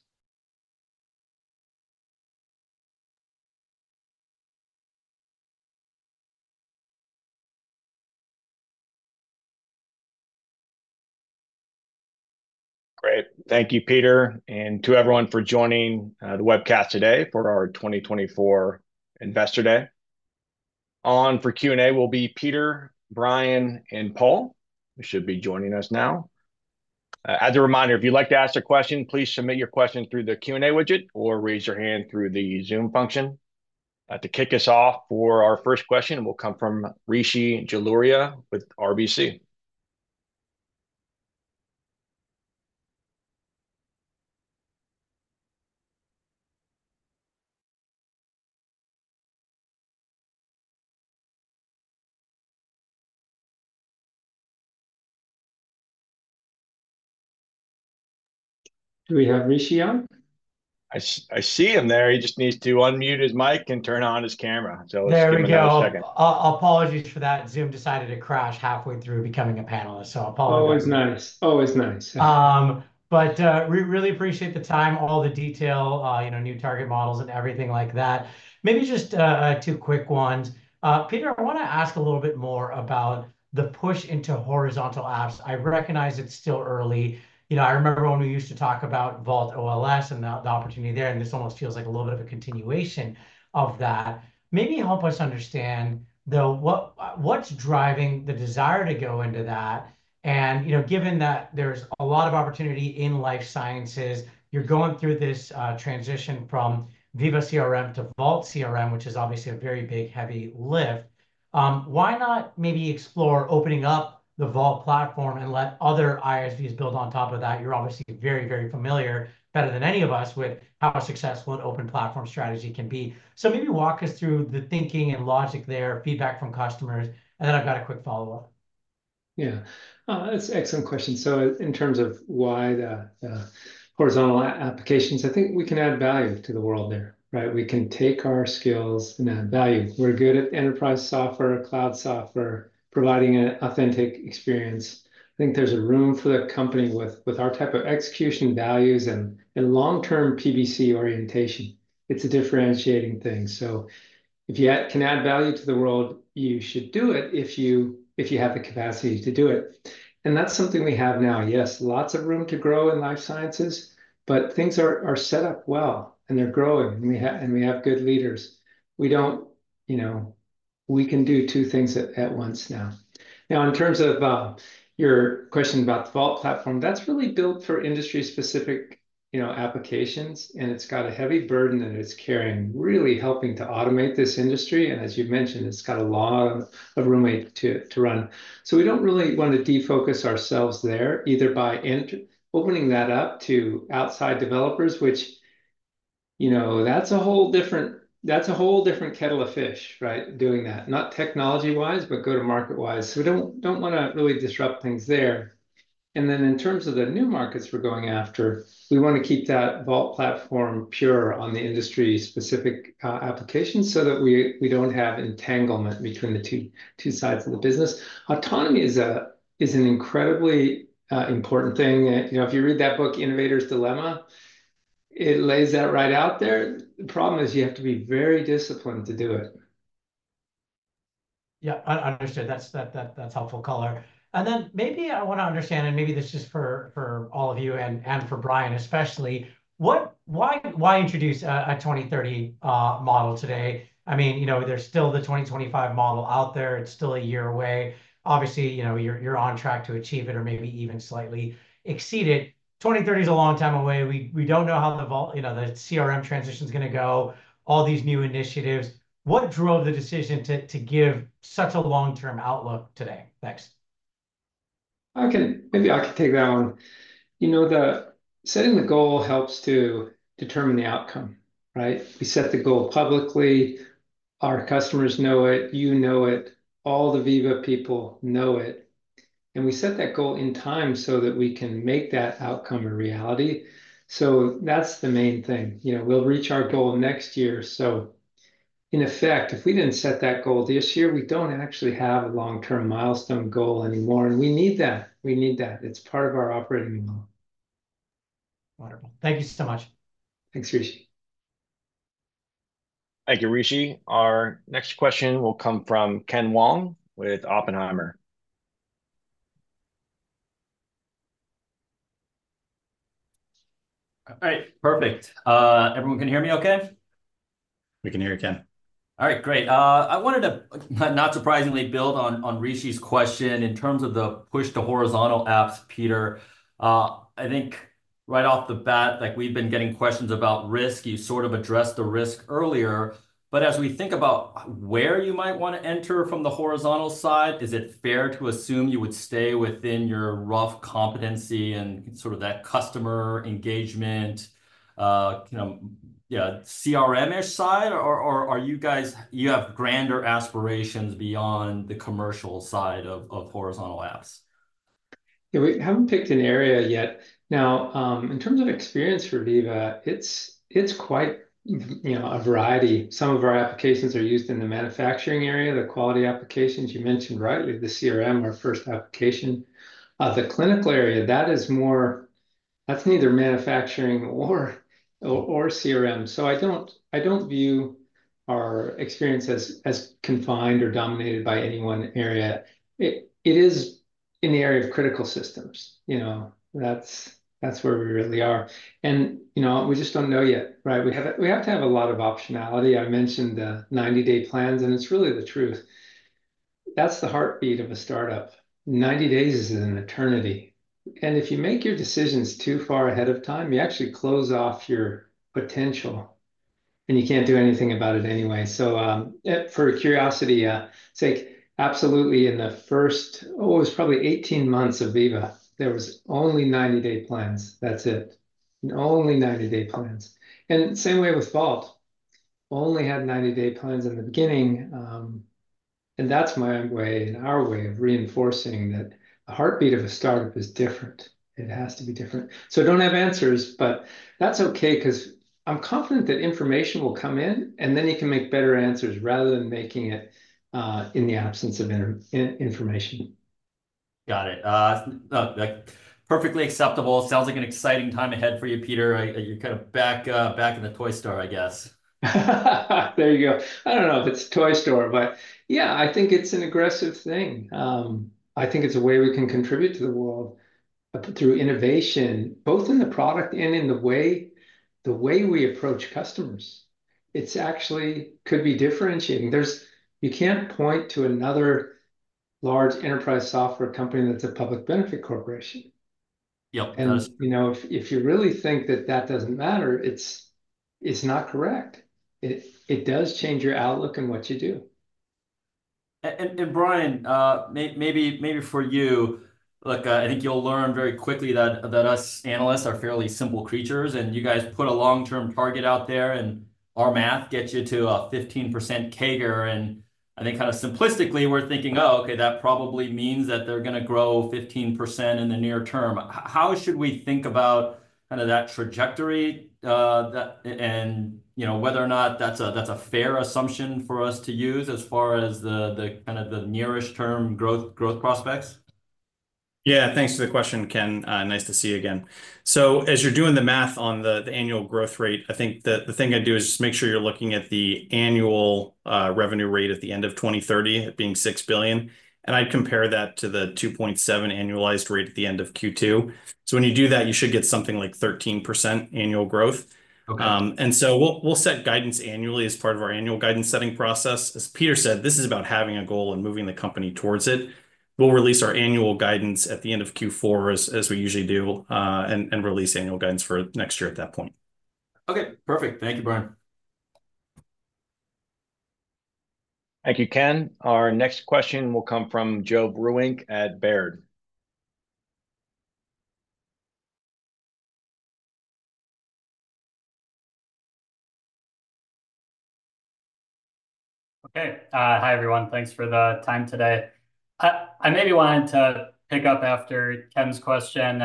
Great. Thank you, Peter, and to everyone for joining the webcast today for our 2024 Investor Day. On for Q&A will be Peter, Brian, and Paul. They should be joining us now. As a reminder, if you'd like to ask a question, please submit your question through the Q&A widget or raise your hand through the Zoom function. To kick us off, our first question will come from Rishi Jaluria with RBC. Do we have Rishi on? I see him there. He just needs to unmute his mic and turn on his camera. So there we go. Apologies for that. Zoom decided to crash halfway through becoming a panelist. So, always nice, always nice. But we really appreciate the time all the detail, you know, new target models and everything like that. Maybe just two quick ones. Peter, I want to ask a little bit more about the push into horizontal apps. I recognize it's still early. You know, I remember when we used to talk about Vault LIMS and the opportunity there and this almost feels like a little bit of a continuation of that. Maybe help us understand though what, what's driving the desire to go into that. And you know, given that there's a lot of opportunity in life sciences, you're going through this transition from Veeva CRM to Vault CRM, which is obviously a very big heavy lift. Why not maybe explore opening up the Vault Platform and let other ISVs build on top of that. You're obviously very, very familiar, better than any of us with how successful an open platform strategy can be. So maybe walk us through the thinking and logic there, feedback from customers and then I've got a quick follow up. Yeah, that's an excellent question. So in terms of why the horizontal applications, I think we can add value to the world there, right? We can take our skills and add value. We're good at enterprise software, cloud software, providing an authentic experience. I think there's room for the company with our type of execution values and a long-term PBC orientation. It's a differentiating thing. So if you can add value to the world, you should do it if you have the capacity to do it. And that's something we have now. Yes, lots of room to grow in life sciences, but things are set up well and they're growing and we have good leaders. We don't, you know, we can do two things at once now. Now, in terms of your question about the Vault Platform, that's really built for industry-specific, you know, applications, and it's got a heavy burden that it's carrying, really helping to automate this industry. And as you mentioned, it's got a lot of room to run. So we don't really want to defocus ourselves there either by entertaining opening that up to outside developers, which you know, that's a whole different kettle of fish, right? Doing that, not technology-wise, but go-to-market-wise. So we don't want to really disrupt things there. And then, in terms of the new markets we're going after, we want to keep that Vault Platform pure on the industry-specific applications so that we don't have entanglement between the two sides of the business. Autonomy is an incredibly important thing. You know, if you read that book, Innovator's Dilemma. It lays that right out there. The problem is you have to be very disciplined to do it. Yeah, understood. That's helpful. Color. Then maybe I want to understand, and maybe this is for all of you and for Brian especially, why introduce a 2030 model today? I mean, there's still the 2025 model out there. It's still a year away. Obviously you're on track to achieve it or maybe even slightly exceed it. 2030 is a long time away. We don't know how the CRM transition. Is going to go. All these new initiatives, what drove the decision to give such a long term outlook today? Thanks. Okay, maybe I could take that one. You know, the setting the goal helps to determine the outcome. Right. We set the goal publicly. Our customers know it, you know it, all the Veeva people know it. And we set that goal in time so that we can make that outcome a reality. So that's the main thing, you know, we'll reach our goal next year. So in effect, if we didn't set that goal this year, we don't actually have a long-term milestone goal anymore. And we need that. We need that. It's part of our operating model. Wonderful. Thank you so much. Thanks, Rishi. Thank you, Rishi. Our next question will come from Ken Wong with Oppenheimer. All right, perfect. Everyone can hear me. Okay, we can hear you, Ken. All right, great.I wanted to not surprisingly build on Rishi's question in terms of the push to horizontal apps. Peter, I think right off the bat. Like we've been getting questions about risk. You sort of addressed the risk earlier. But as we think about where you might want to enter from the horizontal side, is it fair to assume you would stay within your core competency and sort of that customer engagement, CRM-ish side? Or are you guys, you have grander aspirations beyond the commercial side of horizontal apps? Yeah, we haven't picked an area yet. Now in terms of experience for Veeva, it's quite a variety. Some of our applications are used in the manufacturing area. The quality applications you mentioned, rightly, the CRM, our first application, the clinical area, that is more, that's neither manufacturing or CRM. So I don't view our experience as confined or dominated by any one area. It is in the area of critical systems. You know, that's where we really are and you know, we just don't know yet. Right. We have, we have to have a lot of optionality. I mentioned the 90-day plans and it's really the truth. That's the heartbeat of a startup. 90 days is an eternity and if you make your decisions too far ahead of time, you actually close off your potential and you can't do anything about it anyway. So for curiosity's sake, absolutely. In the first, oh, it was probably 18 months of Veeva, there was only 90-day plans. That's it, only 90-day plans, and same way with Vault, only had 90-day plans in the beginning, and that's my way and our way of reinforcing that the heartbeat of a startup is different. It has to be different, so don't have answers, but that's okay because I'm confident that information will come in and then you can make better answers rather than making it in the absence of information. Got it. Perfectly acceptable. Sounds like an exciting time ahead for you, Peter. You kind of back in the toy store I guess. There you go. I don't know if it's toy store, but yeah, I think it's an aggressive thing. I think it's a way we can contribute to the world through innovation, both in the product and in the way we approach customers. It's actually could be differentiating. You can't point to another large enterprise software company that's a public benefit corporation. Yep. You know, if you really think that that doesn't matter. It's not correct. It does change your outlook and what you do. Brian, maybe, maybe for you. Look, I think you'll learn very quickly. That U.S. analysts are fairly simple. Peter, and you guys put a long-term target out there and our math gets you to a 15% CAGR. And I think kind of simplistically we're. Thinking, oh, okay, that probably means that. They're going to grow 15% in the near term. How should we think about kind of that trajectory and you know, whether or not that's a fair assumption for us to use as far as the nearest term growth. Growth prospects. Yeah, thanks for the question, Ken. Nice to see you again. So as you're doing the math on the annual growth rate, I think the thing I do is make sure you're looking at the annual revenue rate at the end of 2030 being $6 billion. And I compare that to the $2.7 billion annualized rate at the end of Q2. So when you do that you should get something like 13% annual growth. And so we'll set guidance annually as part of our annual guidance setting process. As Peter said, this is about having a goal and moving the company towards it. We'll release our annual guidance at the end of Q4 as we usually do, and release annual guidance for next year at that point. Okay, perfect. Thank you, Brian. Thank you, Ken. Our next question will come from Joe Vruwink at Baird. Okay. Hi everyone. Thanks for the time today. I maybe wanted to pick up after Ken's question.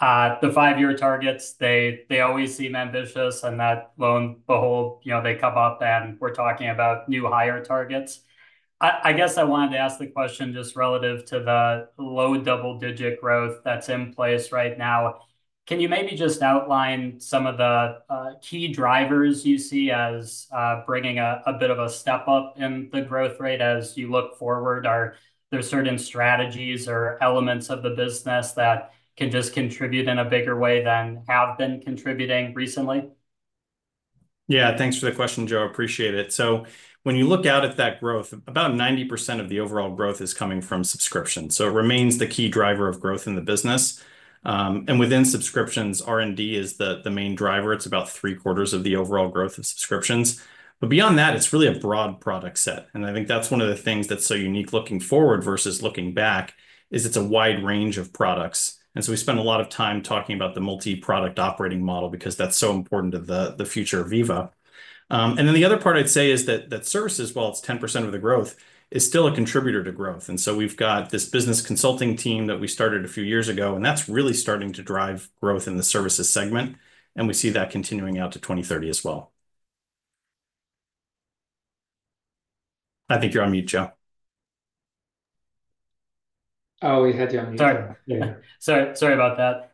The five-year targets, they always seem ambitious and that, lo and behold, you know, they come up and we're talking about new higher target. I guess I wanted to ask the question just relative to the low double-digit growth that's in place right now. Can you maybe just outline some of the key drivers you see as bringing a bit of a step up in the growth rate as you look forward? Are there certain strategies or elements of the business that can just contribute in a bigger way than have been contributing recently? Yeah, thanks for the question, Joe. Appreciate it. So when you look out at that growth, about 90% of the overall growth is coming from subscriptions. So it remains the key driver of growth in the business. And within subscriptions,R&D is the main driver. It's about three quarters of the overall growth of subscriptions. But beyond that, it's really a broad product set. And I think that's one of the things that's so unique, looking forward versus looking back is it's a wide range of products. And so we spend a lot of time talking about the multi product operating model because that's so important to the future of Veeva. And then the other part I'd say is that services, while it's 10% of the growth, is still a contributor to growth. And so we've got this business consulting team that we started a few years ago and that's really starting to drive growth in the services segment. And we see that continuing out to 2030 as well. I think you're on mute, Joe. Oh, we had you on mute. Sorry, sorry, sorry about that.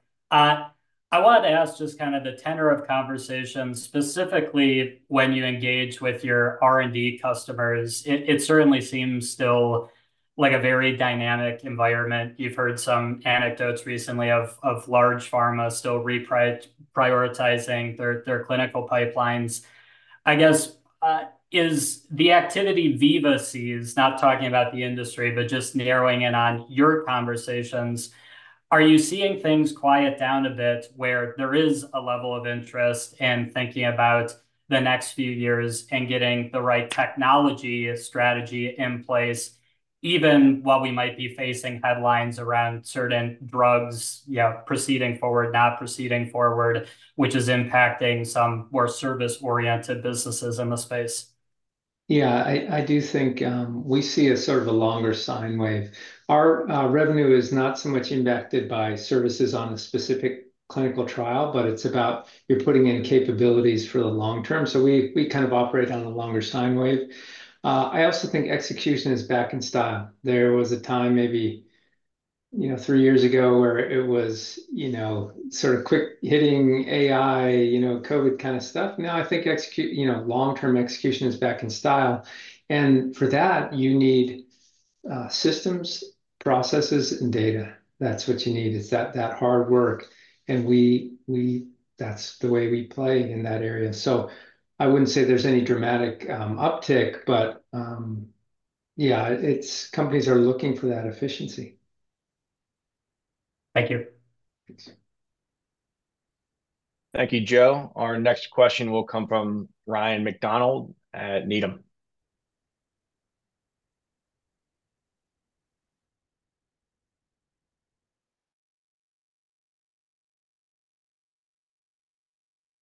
I wanted to ask just kind of the tenor of conversation. Specifically when you engage with your R&D customers, it certainly seems still like a very dynamic environment. You've heard some anecdotes recently of large pharma still prioritizing their clinical pipelines, I guess, is the activity Veeva sees not talking about the industry but just narrowing in on your conversations? Are you seeing things quiet down a bit where there is a level of interest in thinking about the next few years and getting the right technology strategy in place, even while we might be facing headlines around certain drugs proceeding forward not proceeding forward, which is impacting some more service-oriented businesses in the space. Yeah, I do think we see a sort of a longer sine wave. Our revenue is not so much impacted by services on a specific clinical trial, but it's about, you're putting in capabilities for the long term. So we kind of operate on the longer sine wave. I also think execution is back in style. There was a time maybe you know, three years ago where it was, you know, sort of quick hitting AI, you know, COVID kind of stuff. Now I think, you know, long term execution is back in style and for that you need systems, processes and data. That's what you need. It's that hard work and we, that's the way we play in that area. So I wouldn't say there's any dramatic uptick. But yeah, it's companies are looking for that efficiency. Thank you. Thank you, Joe. Our next question will come from Ryan MacDonald at Needham.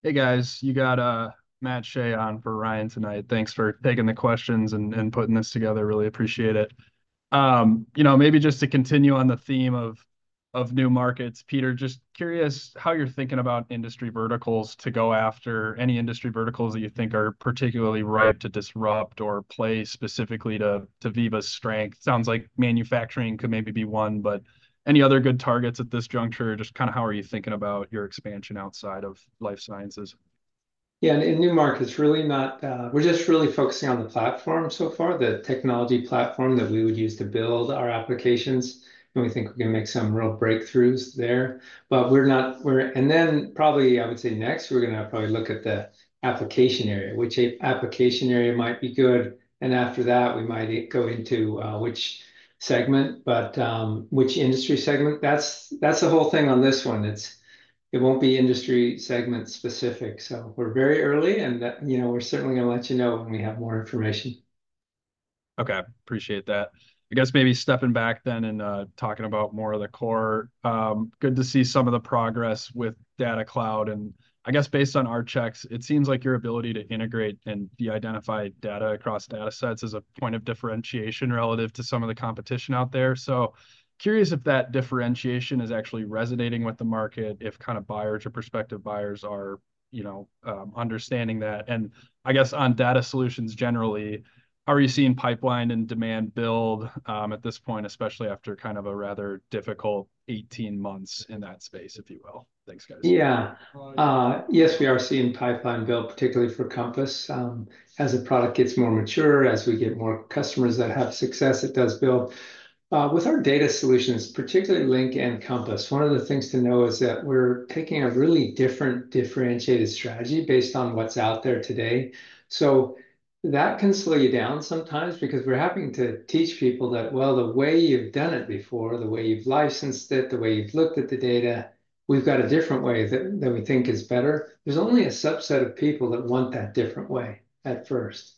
Hey guys, you got Matt Shea on for Ryan tonight. Thanks for taking the questions and putting this together. Really appreciate it. You know, maybe just to continue on the theme of, of new markets. Peter, just curious how you're thinking about industry verticals to go after, any industry verticals that you think are particularly ripe to disrupt or play specifically to Veeva's strength. Sounds like manufacturing could maybe be one. But any other good targets at this juncture? Just kind of how are you thinking about your expansion outside of Life Sciences? Yeah, in new markets it's really not. We're just really focusing on the platform so far, the technology platform that we would use to build our applications and we think we're going to make some real breakthroughs there, but we're not. We're. And then probably, I would say next we're going to probably look at the application area, which application area might be good, and after that we might go into which segment but which industry segment. That's, that's the whole thing on this one. It's, it won't be industry segment specific. So we're very early and that, you know, we're certainly going to let you know when we have more information. Okay, appreciate that. I guess maybe stepping back then and talking about more of the core. Good to see some of the progress with Data Cloud and I guess based on our checks it seems like your ability to integrate and de-identify data across data sets is a point of differentiation relative to some of the competition out there. So curious if that differentiation is actually resonating with the market. If kind of buyers to prospective buyers, you know, understanding that. I guess on data solutions generally, are you seeing pipeline and demand build at this point, especially after kind of a rather difficult 18 months in that space, if you will. Thanks, guys. Yeah. Yes, we are seeing pipeline built particularly for Compass. As the product gets more mature, as we get more customers that have success, it does build with our data solutions, particularly Link and Compass. One of the things to know is that we're taking a really different differentiated strategy based on what's out there today. So that can slow you down sometimes because we're having to teach people that, well, the way you've done it before, the way you've licensed it, the way you've looked at the data, we've got a different way that we think is better. There's only a subset of people that want that different way at first,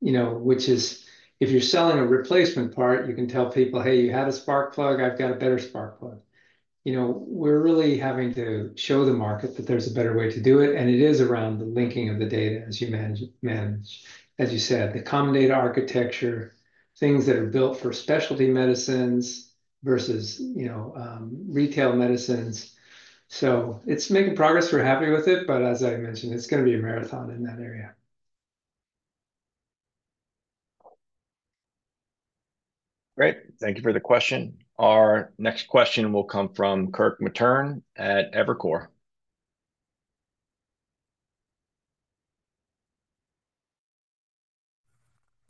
you know, which is if you're selling a replacement part, you can tell people, hey, you had a spark plug. I've got a better spark plug. We're really having to show the market that there's a better way to do it. And it is around the linking of the data as you manage, as you said, the common data architecture, things that are built for specialty medicines versus, you know, retail medicines. So it's making progress. We're happy with it, but as I mentioned, it's going to be a marathon in that area. Great. Thank you for the question. Our next question will come from Kirk Materne at Evercore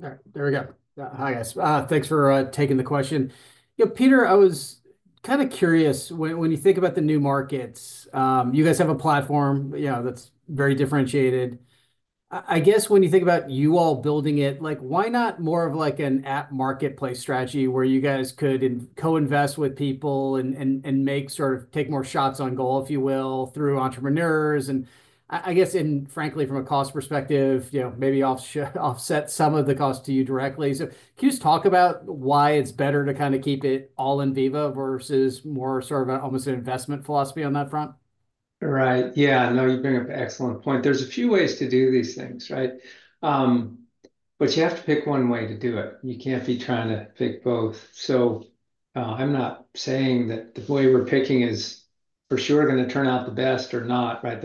ISI. All right, there we go. Hi, guys. Thanks for taking the question. Peter, I was kind of curious. When you think about the new markets, you guys have a platform that's very differentiated. I guess when you think about you all building it, why not more of like an app marketplace strategy where you guys could co-invest with people and take more shots on goal, if you will, through entrepreneurs. And I guess, frankly, from a cost perspective, you know, maybe offshore offset some of the cost to you directly. So can you just talk about why it's better to kind of keep it all in Veeva versus more sort of almost an investment philosophy on that front. Right? Yeah, no, you bring up an excellent point. There's a few ways to do these things, right, but you have to pick one way to do it. You can't be trying to pick both. So I'm not saying that the way we're picking is for sure going to turn out the best or not. Right?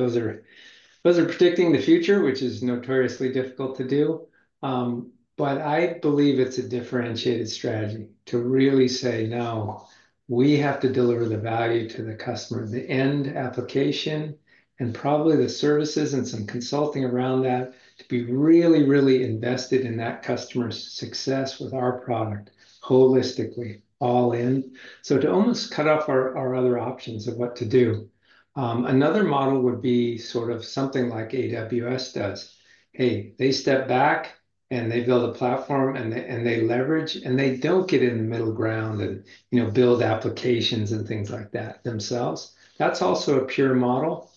Those are predicting the future, which is notoriously difficult to do. But I believe it's a differentiated strategy to really say, no, we have to deliver the value to the customer, the end application and probably the services and some consulting around that. To be really, really invested in that customer's success with our product holistically. All in. So to almost cut off our other options of what to do. Another model would be sort of something like AWS does. Hey, they step back and they build a platform and they leverage and they don't get in the middle ground and, you know, build applications and things like that themselves. That's also a pure model.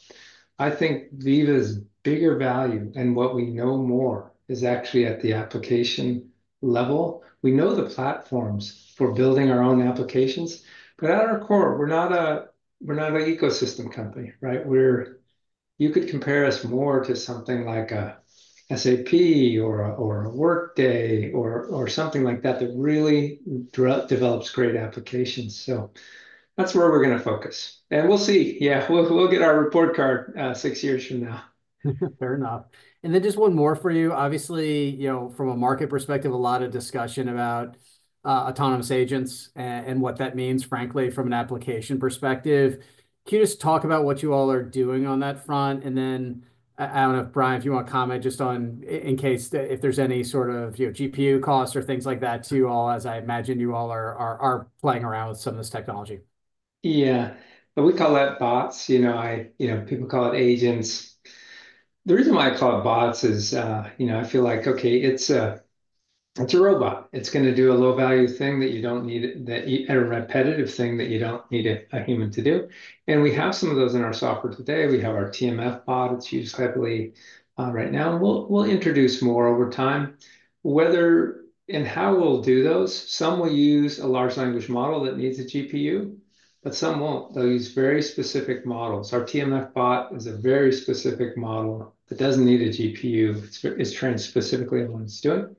I think Veeva's bigger value and what we know more is actually at the application level, we know the platforms for building our own applications, but at our core we're not a, we're not an ecosystem company. Right. Where you could compare us more to something like a SAP or, or a Workday or, or something like that that really develops great applications. So that's where we're going to focus and we'll see. Yeah, we'll get our report card six years from now. Fair enough. And then just one more for you. Obviously, you know, from a market perspective, a lot of discussion about autonomous agents and what that means, frankly, from an application perspective. Can you just talk about what you all are doing on that front? And then I don't know if Brian, if you want to comment just on, in case, if there's any sort of GPU costs or things like that to you all, as I imagine you all are playing around with some of this technology. Yeah, but we call that bots. You know, I, you know, people call it agents. The reason why I call it bots is, you know, I feel like, okay, it's a robot, it's going to do a low value thing that you don't need that, a repetitive thing that you don't need a human to do. And we have some of those in our software today. We have our eTMF bot. It's used heavily right now and we'll introduce more over time whether and how we'll do those. Some will use a large language model that needs a GPU, but some won't, they'll use very specific models. Our eTMF bot is a very specific model that doesn't need a GPU, is trained specifically on what it's doing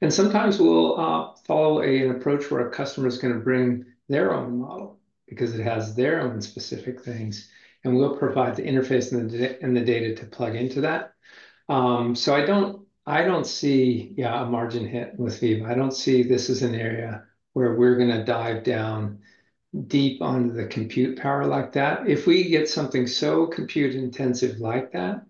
and sometimes we'll follow an approach where a customer is going to bring their own model because it has their own specific things and we'll provide the interface and the data to plug into that. So I don't, I don't see a margin hit with Veeva. I don't see this as an area where we're going to dive down deep on the compute power like that. If we get something so compute intensive like that,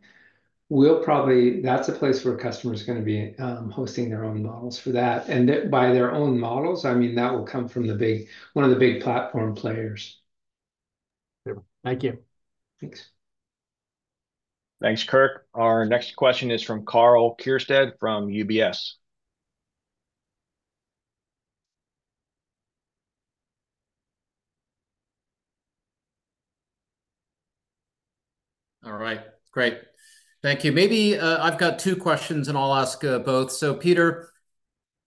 that's a place where customers are going to be hosting their own models for that. And by their own models I mean that will come from the big one of the big platform players. Thank you. Thanks. Thanks Kirk. Our next question is from Karl Keirstead from UBS. All right, great. Thank you. Maybe I've got two questions and I'll ask both. So Peter,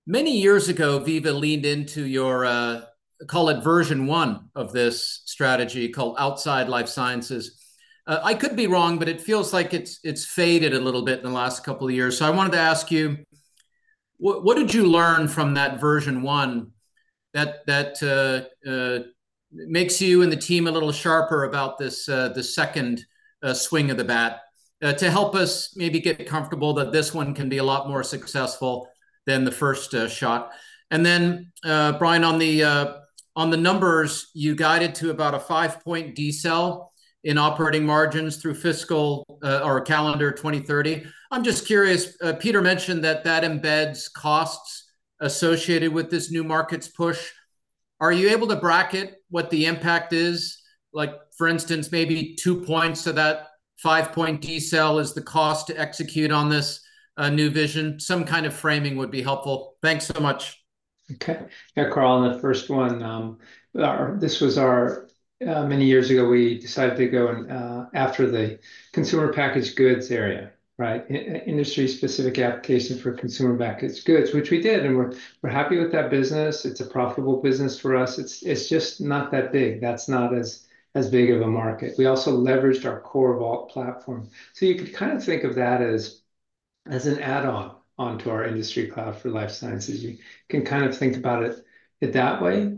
many years ago Veeva leaned into your call it version one of this strategy called outside Life Sciences. I could be wrong, but it feels like it's faded a little bit in the last couple of years. So I wanted to ask you what did you learn from that version one that that makes you and the team a little sharper about this, the second swing of the bat to help us maybe get comfortable that this one can be a lot more successful than the first shot. And then Brian, on the, on the numbers you guided to about a 5-point decline in operating margins through fiscal or calendar 2030. I'm just curious. Peter mentioned that that embeds costs associated with this new markets push. Are you able to bracket what the impact is like for instance maybe two points of that five-point decile is the cost to execute on this new vision? Some kind of framing would be helpful. Thanks so much. Okay, Karl, on the first one, this was many years ago we decided to go after the consumer packaged goods area. Right. Industry-specific application for consumer packaged goods which we did. And we're, we're happy with that business. It's a profitable business for us. It's, it's just not that big. That's not as, as big of a market. We also leveraged our core Vault platform so you could kind of think of that as, as an add-on onto our industry cloud for life sciences. You can kind of think about it that way.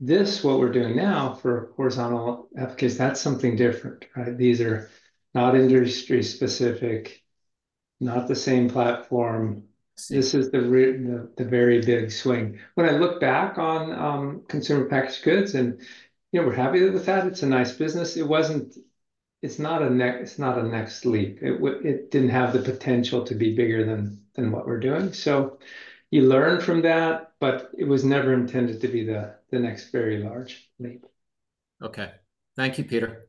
This, what we're doing now for horizontal because that's something different. Right. These are not industry specific, not the same platform. This is the very big swing when I look back on consumer packaged goods and you know we're happy with that. It's a nice business. It wasn't, it's not a next, it's not a next leap. It didn't have the potential to be bigger than, than what we're doing. So you learn from that. But it was never intended to be the, the next very large leap. Okay, thank you, Peter.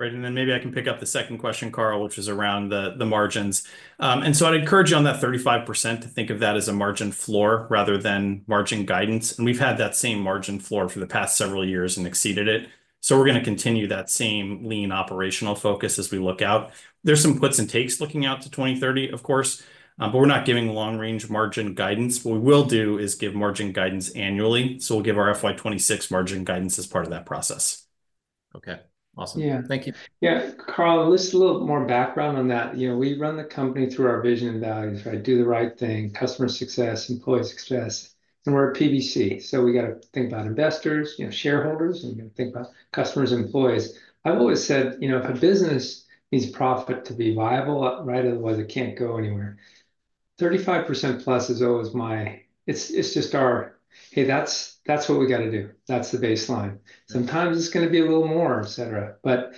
Right. Then maybe I can pick up the second question, Karl, which is around the margins. I'd encourage you on that 35% to think of that as a margin floor rather than margin guidance. We've had that same margin floor for the past several years and exceeded it. We're going to continue that same lean operational focus as we look out. There's some puts and takes looking out to 2030, of course, but we're not giving long-range margin guidance. What we will do is give margin guidance annually. We'll give our FY26 margin guidance as part of that process. Okay. Awesome. Yeah, thank you. Yeah. Karl, this is a little more background on that. You know, we run the company through our vision and values. Right. Do the right thing. Customer success, employee success. And we're a PBC, so we got to think about investors, you know, shareholders and think about customers, employees. I've always said, you know, if a business needs profit to be viable. Right. Otherwise it can't go anywhere. 35% plus is always my, it's just our, hey, that's what we got to do. That's the baseline. Sometimes it's going to be a little more, etc. But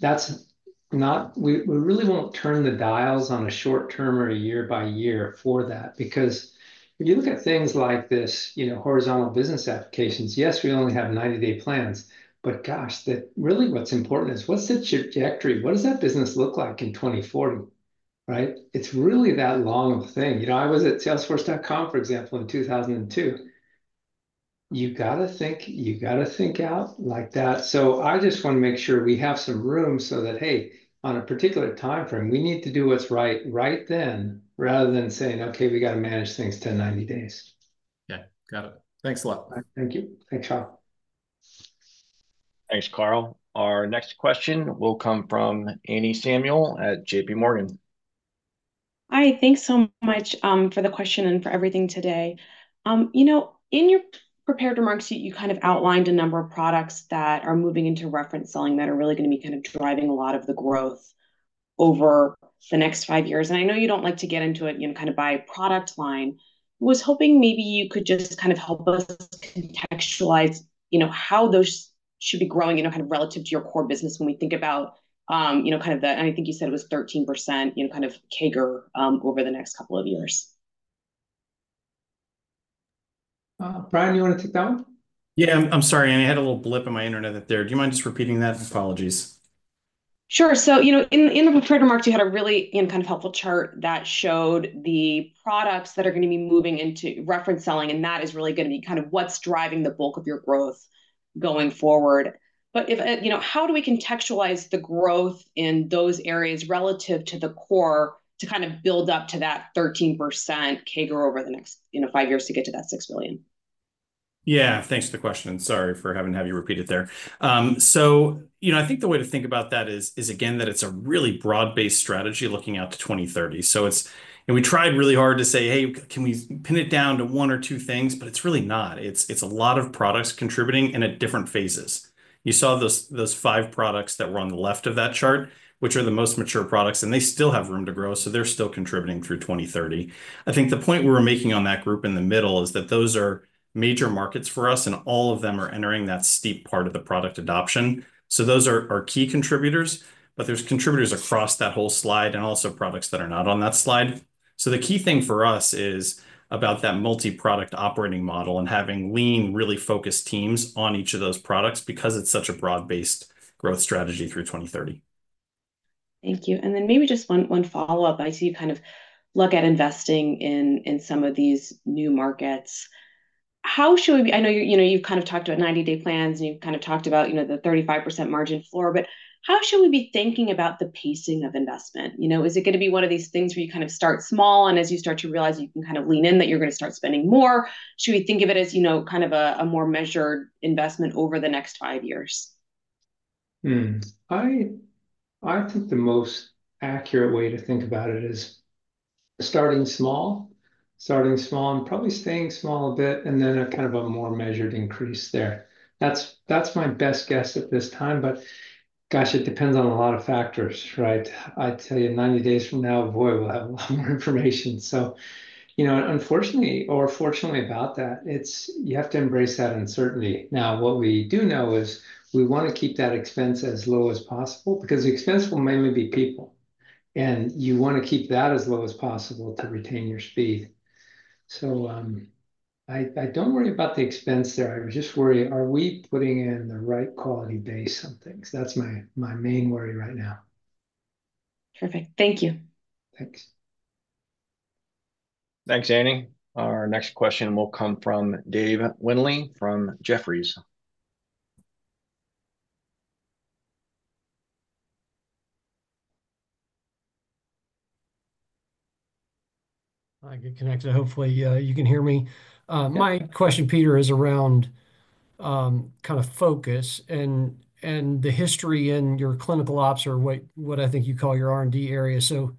that's not, we really won't turn the dials on a short term or a year by year for that. Because if you look at things like this, you know, horizontal business applications, yes, we only have 90-day plans, but gosh, that's really what's important is what's the trajectory? What does that business look like in 2040? Right. It's really that long of thing. You know, I was at Salesforce.com for example, in 2002. You gotta think, you gotta think out like that. So I just want to make sure we have some room so that hey, on a particular time frame, we need to do what's right. Right. Then rather than saying, okay, we gotta manage things 10, 90 days. Yeah, got it. Thanks a lot. Thank you. Thanks, Sean. Thanks, Karl. Our next question will come from Anne Samuel at JPMorgan. Hi, thanks so much for the question and for everything today. You know, in your prepared remarks, you kind of outlined a number of products that are moving into reference selling that are really going to be kind of driving a lot of the growth over the next five years. And I know you don't like to get into it, you know, kind of by product line was hoping maybe you could just kind of help us contextualize, you know, how those should be growing, you know, kind of relative to your core business. When we think about you know, kind of that. And I think you said it was 13%, you know, kind of CAGR over the next couple of years. Brian, you want to take that one? Yeah, I'm sorry, and I had a little blip in my Internet there. Do you mind just repeating that? Apologies. Sure. So you know, in the prepared remarks you had a really kind of helpful chart that showed the products that are going to be moving into reference selling. And that is really going to be kind of what's driving the bulk of your growth going forward. But if, you know, how do we contextualize the growth in those areas relative to the core to kind of build up to that 13% CAGR over the next five years to get to that $6 billion? Yeah, thanks for the question. Sorry for having to have you repeat it there. So I think the way to think about that is again that it's a really broad-based strategy looking out to 2030. So we tried really hard to say, hey, can we pin it down to one or two things. But it's really not. It's a lot of products contributing and at different phases. You saw this, those five products that were on the left of that chart, which are the most mature products and they still have room to grow, so they're still contributing through 2030. I think the point we were making on that group in the middle is that those are major markets for us and all of them are entering that steep part of the product adoption. So those are key contributors, but there's contributors across that whole slide and also products that are not on that slide. So the key thing for us is about that multi product operating model and having lean, really focused teams on each of those products because it's such a broad based growth strategy through 2030. Thank you. And then maybe just one follow up. I see you kind of look at investing in some of these new markets. How should we be? I know you've kind of talked about 90-day plans and you've kind of talked about the 35% margin floor, but how should we be thinking about the pacing of investment? Is it going to be one of these things where you kind of start small and as you start to realize you can kind of learn, then that you're going to start spending more? Should we think of it as, you know, kind of a more measured investment over the next five years? I, I think the most accurate way to think about it is starting small, starting small and probably staying small a bit and then a kind of a more measured increase there. That's, that's my best guess at this time, but gosh, it depends on a lot of factors, right? I tell you, 90 days from now, boy, we'll have a lot more information. So, you know, unfortunately or fortunately about that, it's, you have to embrace that uncertainty now. What we do know is we want to keep that expense as low as possible because the expense will mainly be people, and you want to keep that as low as possible to retain your speed, so I don't worry about the expense there. I would just worry are we putting in the right quality based on things? That's my, my main worry right now. Perfect. Thank you. Thanks. Thanks, Anne. Our next question will come from David Windley, from Jefferies. I get connected. Hopefully you can hear me. My question, Peter, is around kind of focus and the history in your clinical ops or what I think you call your R&D area. So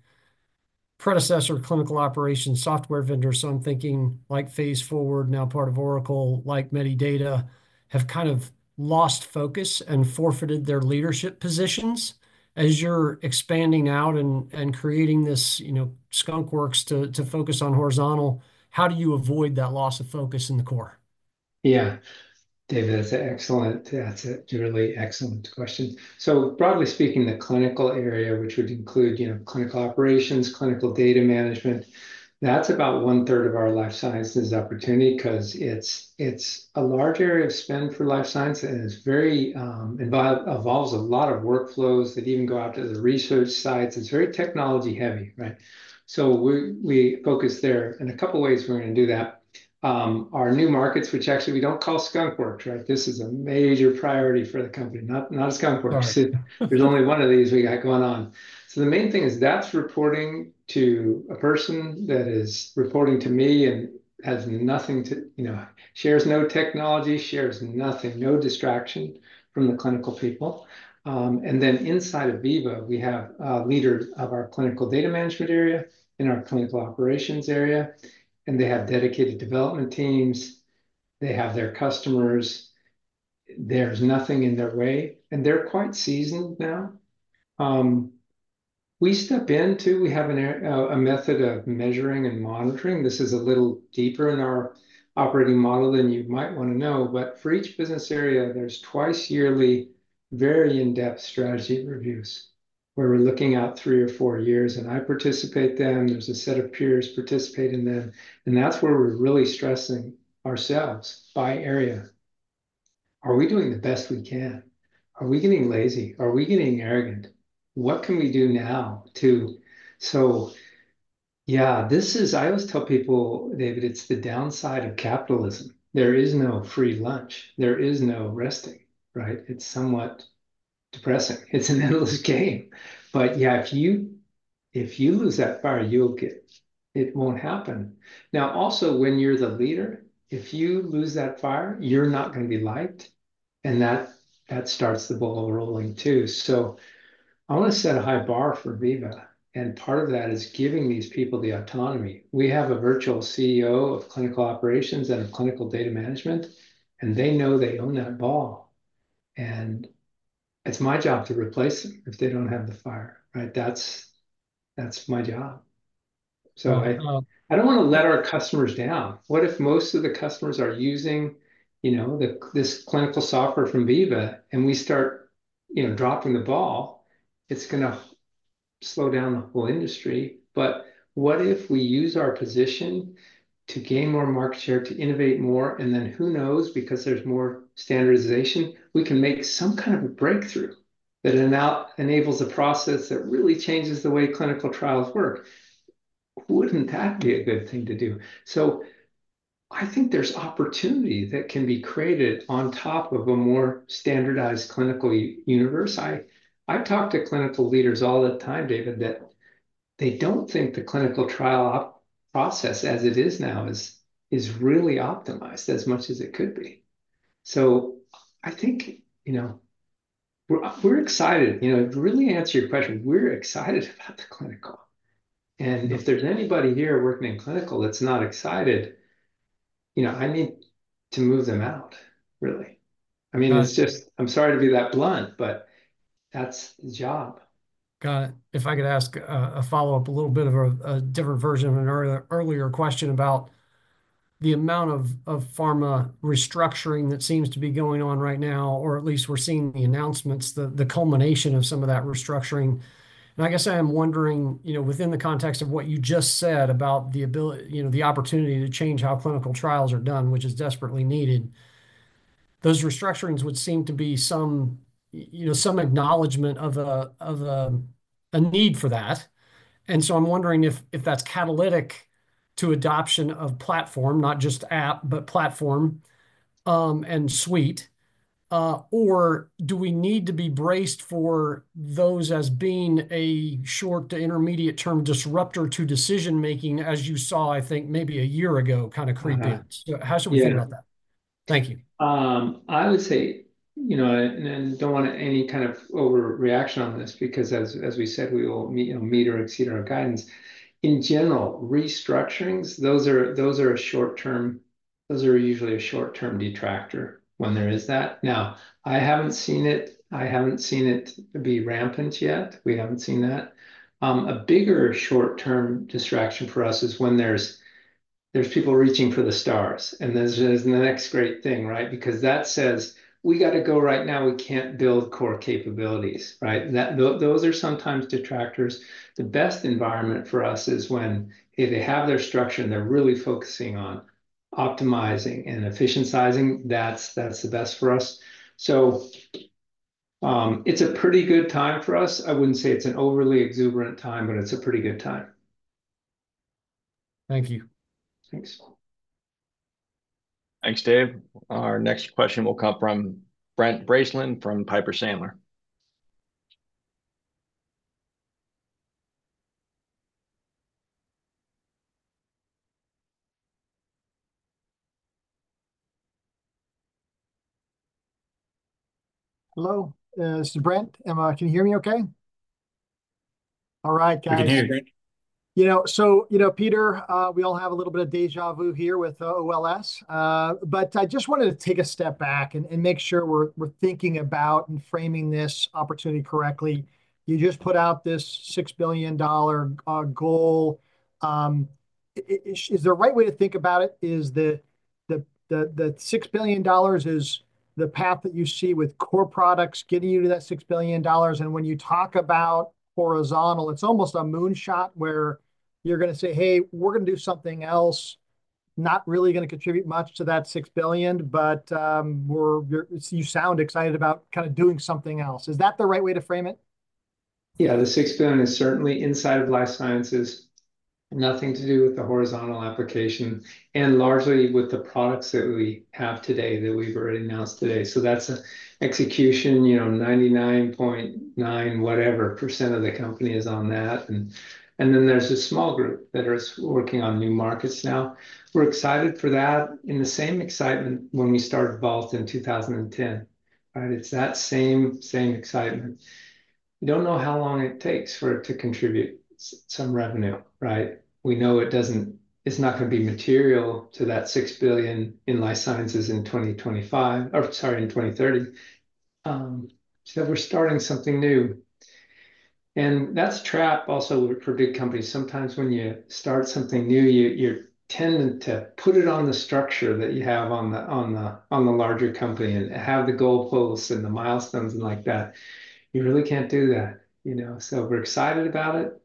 predecessor clinical operations software vendors. So I'm thinking like Phase Forward now, part of Oracle, like Medidata, have kind of lost focus and forfeited their leadership positions. As you're expanding out and creating this Skunk Works to focus on horizontal. How do you avoid that loss of focus in the core? Yeah, David, that's excellent. That's a really excellent question. So broadly speaking, the clinical area, which would include clinical operations, clinical data management, that's about one third of our life sciences opportunity. Because it's a large area of spend for life sciences and involves a lot of workflows that even go out to the research sites. It's very technology heavy. So we focus there. In a couple ways we're going to do that. Our new markets, which actually we don't call Skunk Works. Right. This is a major priority for the company. Not, not a Skunk Works. There's only one of these we got going on. So the main thing is that's reporting to a person that is reporting to me and has nothing to, you know, shares no technology, shares nothing, no distraction from the clinical people. And then inside of Veeva, we have leaders of our clinical data management area in our clinical operations area and they have dedicated development teams, they have their customers. There's nothing in their way and they're quite seasoned. Now we step into, we have a method of measuring and monitoring. This is a little deeper in our operating model than you might want to know. But for each business area, there's twice-yearly very in-depth strategy reviews where we're looking out three or four years and I participate, then there's a set of peers participate in them and that's where we're really stressing ourselves by area. Are we doing the best we can? Are we getting lazy? Are we getting arrogant? What can we do now to. So, yeah, this is. I always tell people, David, it's the downside of capitalism. There is no free lunch, there is no resting. Right. It's somewhat depressing. It's an endless game. But yeah, if you lose that fire, you'll get. It won't happen now. Also, when you're the leader, if you lose that fire, you're not going to be liked. And that starts the ball rolling too. So I want to set a high bar for Veeva, and part of that is giving these people the autonomy. We have a virtual CEO of clinical operations and clinical data management, and they know they own that ball and it's my job to replace them if they don't have the fire. Right? That's, that's my job. So I, I don't want to let our customers down. What if most of the customers are using, you know, the, this clinical software from Veeva and we start, you know, dropping the ball? It's gonna slow down the whole industry. But what if we use our position to gain more market share, to innovate more, and then, who knows, because there's more standardization, we can make some kind of a breakthrough that enables a process that really changes the way clinical trials work. Wouldn't that be a good thing to do? I think there's opportunity that can be created on top of a more standardized clinical universe. I talk to clinical leaders all the time, David, that they don't think the clinical trial process as it is now is really optimized as much as it could be. So I think we're excited to really answer your question. We're excited about the clinical, and if there's anybody here working in clinical that's not excited, I need to move them out. Really. I'm sorry to be that blunt, but that's the job. Got it. If I could ask a follow up, a little bit of a different version of an earlier question about the amount of pharma restructuring that seems to be going on right now, or at least we're seeing the announcements, the culmination of some of that restructuring. And I guess I am wondering, within the context of what you just said, about the opportunity to change how clinical trials are done, which is desperately needed, those restructurings would seem to be some, you know, some acknowledgement of a need for that. And so I'm wondering if that's catalytic to adoption of platform, not just app, but platform and suite or do we need to be braced for those as being a short to intermediate term disruptor to decision making, as you saw, I think maybe a year ago, kind of creep in? How should we think about that? Thank you. I would say, you know, I don't want any kind of overreaction on this because as, as we said, we will meet, you know, meet or exceed our guidance in general restructurings. Those are, those are a short term. Those are usually a short term detractor. When there is that now, I haven't seen it, I haven't seen it be rampant yet. We haven't seen that. A bigger short term distraction for us is when there's, there's people reaching for the stars and this is the next great thing. Right, because that says we got to go right now, we can't build core capabilities. Right. Those are sometimes detractors. The best environment for us is when they have their structure and they're really focusing on optimizing and efficient sizing. That's the best for us. So it's a pretty good time for us. I wouldn't say it's an overly exuberant time, but it's a pretty good time. Thank you. Thanks. Thanks, Dave. Our next question will come from Brent Bracelin from Piper Sandler. Hello, this is Brent. Can you hear me? Okay. All right, guys. So Peter, we all have a little bit of déjà vu here with AWS, but I just wanted to take a step back and make sure we're thinking about and framing this opportunity correctly. You just put out this $6 billion. Goal. Is the right way to think about it that $6 billion is the path that you see with Core Products getting you to that $6 billion? And when you talk about horizontal, it's almost a moonshot where you're going to say, hey, we're going to do something else. Not really going to contribute much to that 6 billion, but we're. You sound excited about kind of doing something else. Is that the right way to frame it? Yeah, the $6 billion is certainly inside of Life Sciences. Nothing to do with the horizontal application and largely with the products that we have today that we've already announced today. So that's an execution, you know, 99.9%, whatever percent of the company is on that. And then there's a small group that is working on new markets now. We're excited for that. In the same excitement when we started Vault in 2010. Right. It's that same excitement. You don't know how long it takes for it to contribute some revenue. Right. We know it doesn't. It's not going to be material to that $6 billion in life sciences in 2025 or sorry in 2030. So we're starting something new and that's a trap also for big companies. Sometimes when you start something new, you're tending to put it on the structure that you have on the larger company and have the goal posts and the milestones and like that. You really can't do that, you know. So we're excited about it.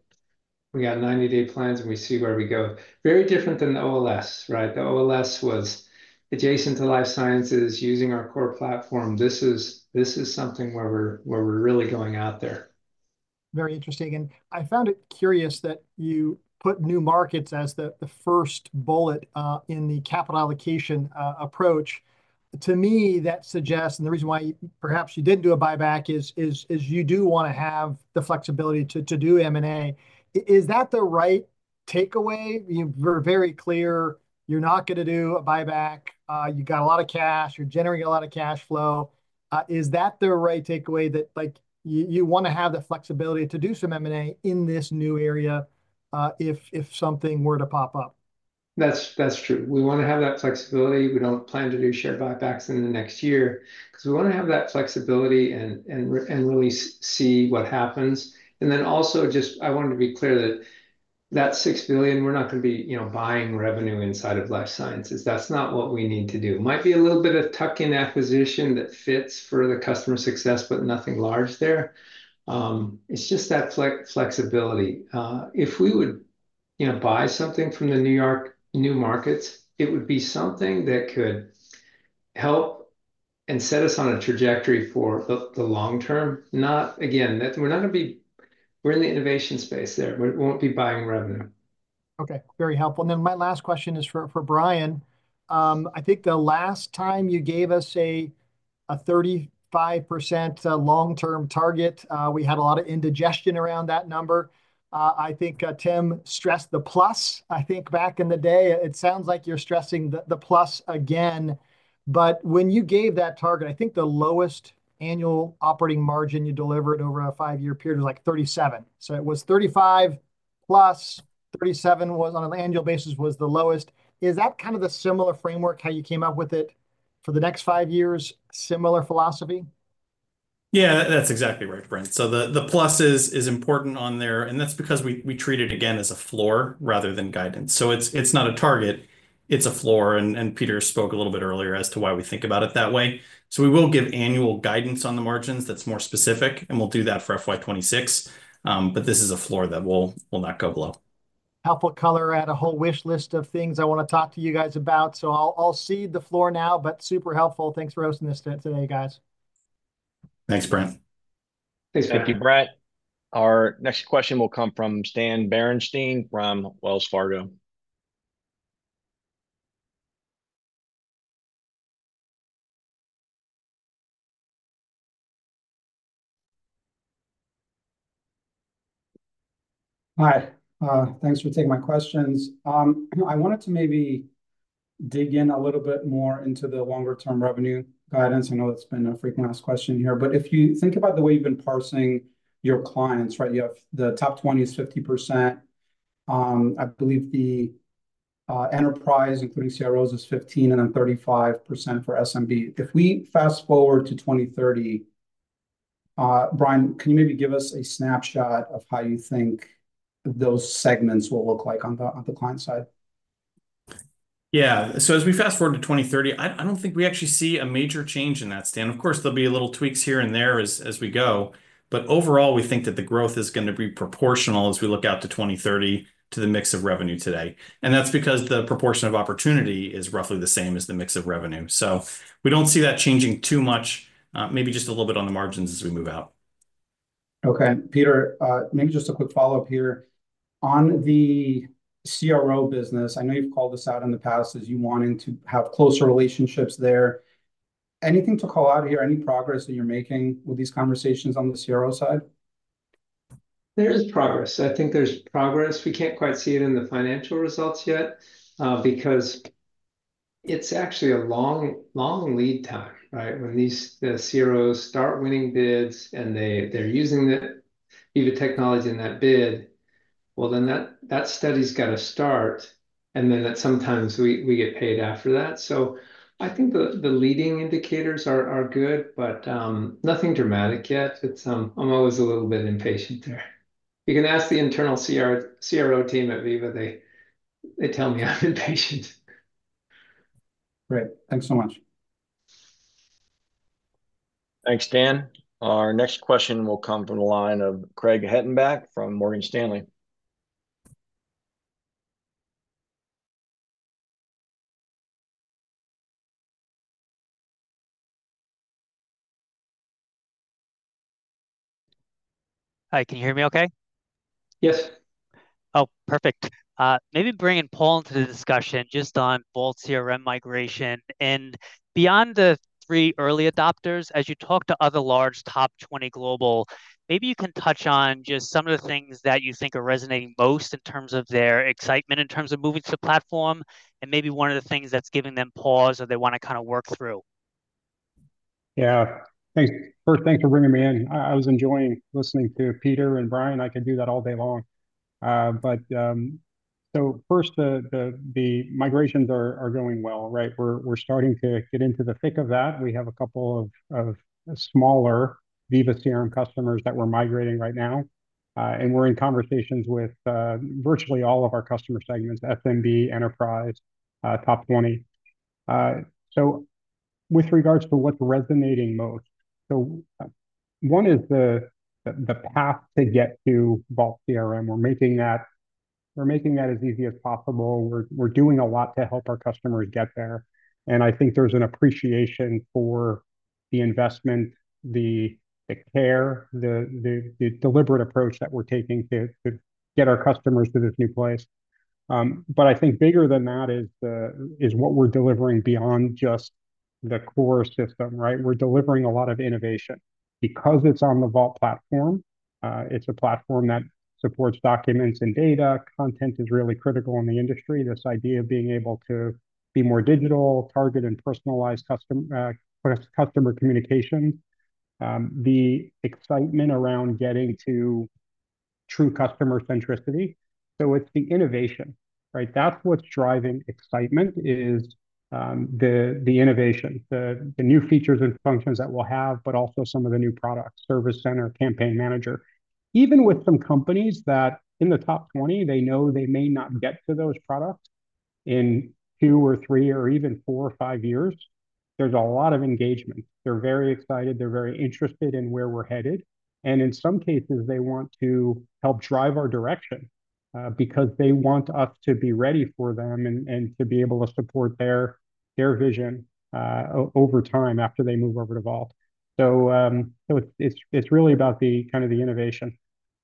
We got 90-day plans and we see where we go. Very different than the OLS. Right. The OLS was adjacent to life sciences using our core platform. This is something where we're really going out there. Very interesting. And I found it curious that you put new markets as the first bullet in the capital allocation approach. To me that suggests, and the reason why perhaps you didn't do a buyback is you do want to have the flexibility to do M and A. Is that the right takeaway? You were very clear you're not going to do a buyback. You got a lot of cash, you're generating a lot of cash flow. Is that the right takeaway that like you want to have the flexibility to do some M and A in this new area if something were to pop up. That's, that's true. We want to have that flexibility. We don't plan to do share buybacks in the next year because we want to have that flexibility and really see what happens. And then also just I wanted to be clear that that $6 billion. We're not going to be, you know, buying revenue inside of Life Sciences. That's not what we need to do. Might be a little bit of tuck in acquisition that fits for the customer success but nothing large there. It's just that financial flexibility. If we would, you know, buy something for the new markets, it would be something that could help and set us on a trajectory for the long term. Not again. We're not going to be, we're in the innovation space there. We won't be buying revenue. Okay, very helpful. And then my last question is for Brian. I think the last time you gave us a 35% long term target, we had a lot of indigestion around that number. I think Tim stressed the plus. I think back in the day it sounds like you're stressing the plus again, but when you gave that target, I think the lowest annual operating margin you delivered over a five year period was like 37%. So it was 35% plus. 37% was on an annual basis, was the lowest. Is that kind of the similar framework how you came up with it for the next five years? Similar philosophy? Yeah, that's exactly right, Brent. So the plus is important on there and that's because we treat it again as a floor rather than guidance. So it's not a target, it's a floor. And Peter spoke a little bit earlier as to why we think about it that way. We will give annual guidance on the margins. That's more specific and we'll do that for FY26. But this is a floor that will not go below helpful color. add a whole wish list of things I want to talk to you guys about. So I'll yield the floor now, but super helpful. Thanks for hosting this today, guys. Thanks, Brent. Thanks. Thank you, Brent. Our next question will come from Stan Berenshteyn from Wells Fargo. Hi. Thanks for taking my questions. I wanted to maybe dig in a little bit more into the longer term revenue guidance. I know it's been a frequently asked question here, but if you think about the way you've been parsing your clients, right, you have the top 20 is 50%, I believe the enterprise, including CROs is 15% and then 35% for SMB. If we fast forward to 2030, Brian, can you maybe give us a snapshot of how you think those segments will look like on the client side? Yeah, so as we fast forward to 2030, I don't think we actually see a major change in that, Stan. Of course there'll be little tweaks here and there as we go. But overall we think that the growth is going to be proportional as we look out to 2030 to the mix of revenue today. And that's because the proportion of opportunity is roughly the same as the mix of revenue. So we don't see that changing too much. Maybe just a little bit on the margins as we move out. Okay, Peter, maybe just a quick follow up here on the CRO business. I know you've called us out in the past as you wanting to have closer relationships there. Anything to call out here? Any progress that you're making with these conversations on the CRO side? There's progress. I think there's progress. We can't quite see it in the financial results yet because it's actually a long, long lead time. Right. When these CROs start winning bids and they're using the Veeva technology in that bid, well, then that study's got to start and then that sometimes we get paid after that. So I think the leading indicators are good, but nothing dramatic yet. I'm always a little bit impatient there. You can ask the internal CRO team at Veeva. They tell me I'm impatient. Great. Thanks so much. Thanks, Dan. Our next question will come from the line of Craig Hettenbach from Morgan Stanley. Hi. Can you hear me okay? Yes. Oh, perfect. Maybe bringing Paul into the discussion just on Vault CRM migration and beyond the three early adopters. As you talk to other large top 20 global, maybe you can touch on just some of the things that you think are resonating most in terms of their excitement, in terms of moving to the platform and maybe one of the things that's giving them pause or they want to kind of work through. Yeah, thanks. First, thanks for bringing me in. I was enjoying listening to Peter and Brian. I can do that all day long. But so first, the migrations are going well, right? We're starting to get into the thick of that. We have a couple of smaller Veeva CRM customers that we're migrating right now and we're in conversations with virtually all of our customer segments. SMB Enterprise top 20. So with regards to what's resonating most. So one is the, the path to get to Vault CRM. We're making that, we're making that as easy as possible. We're doing a lot to help our customers get there. And I think there's an appreciation for the investment, the care, the deliberate approach that we're taking to get our customers to this new place. But I think bigger than that is what we're delivering beyond just the core system. Right. We're delivering a lot of innovation because it's on the Vault Platform. It's a platform that supports documents and data. Content is really critical in the industry. This idea of being able to be more digital target and personalize customer, customer communications, the excitement around getting to true customer centricity. So it's the innovation, right? That's what's driving excitement, is the innovation, the new features and functions that we'll have, but also some of the new products. Service Center, Campaign Manager. Even with some companies that in the top 20, they know they may not get to those products in two or three or even four or five years. There's a lot of engagement. They're very excited. They're very interested in where we're headed, and in some cases they want to help drive our direction because they want us to be ready for them and to be able to support their vision over time after they move over to Vault. So it's really about the kind of the innovation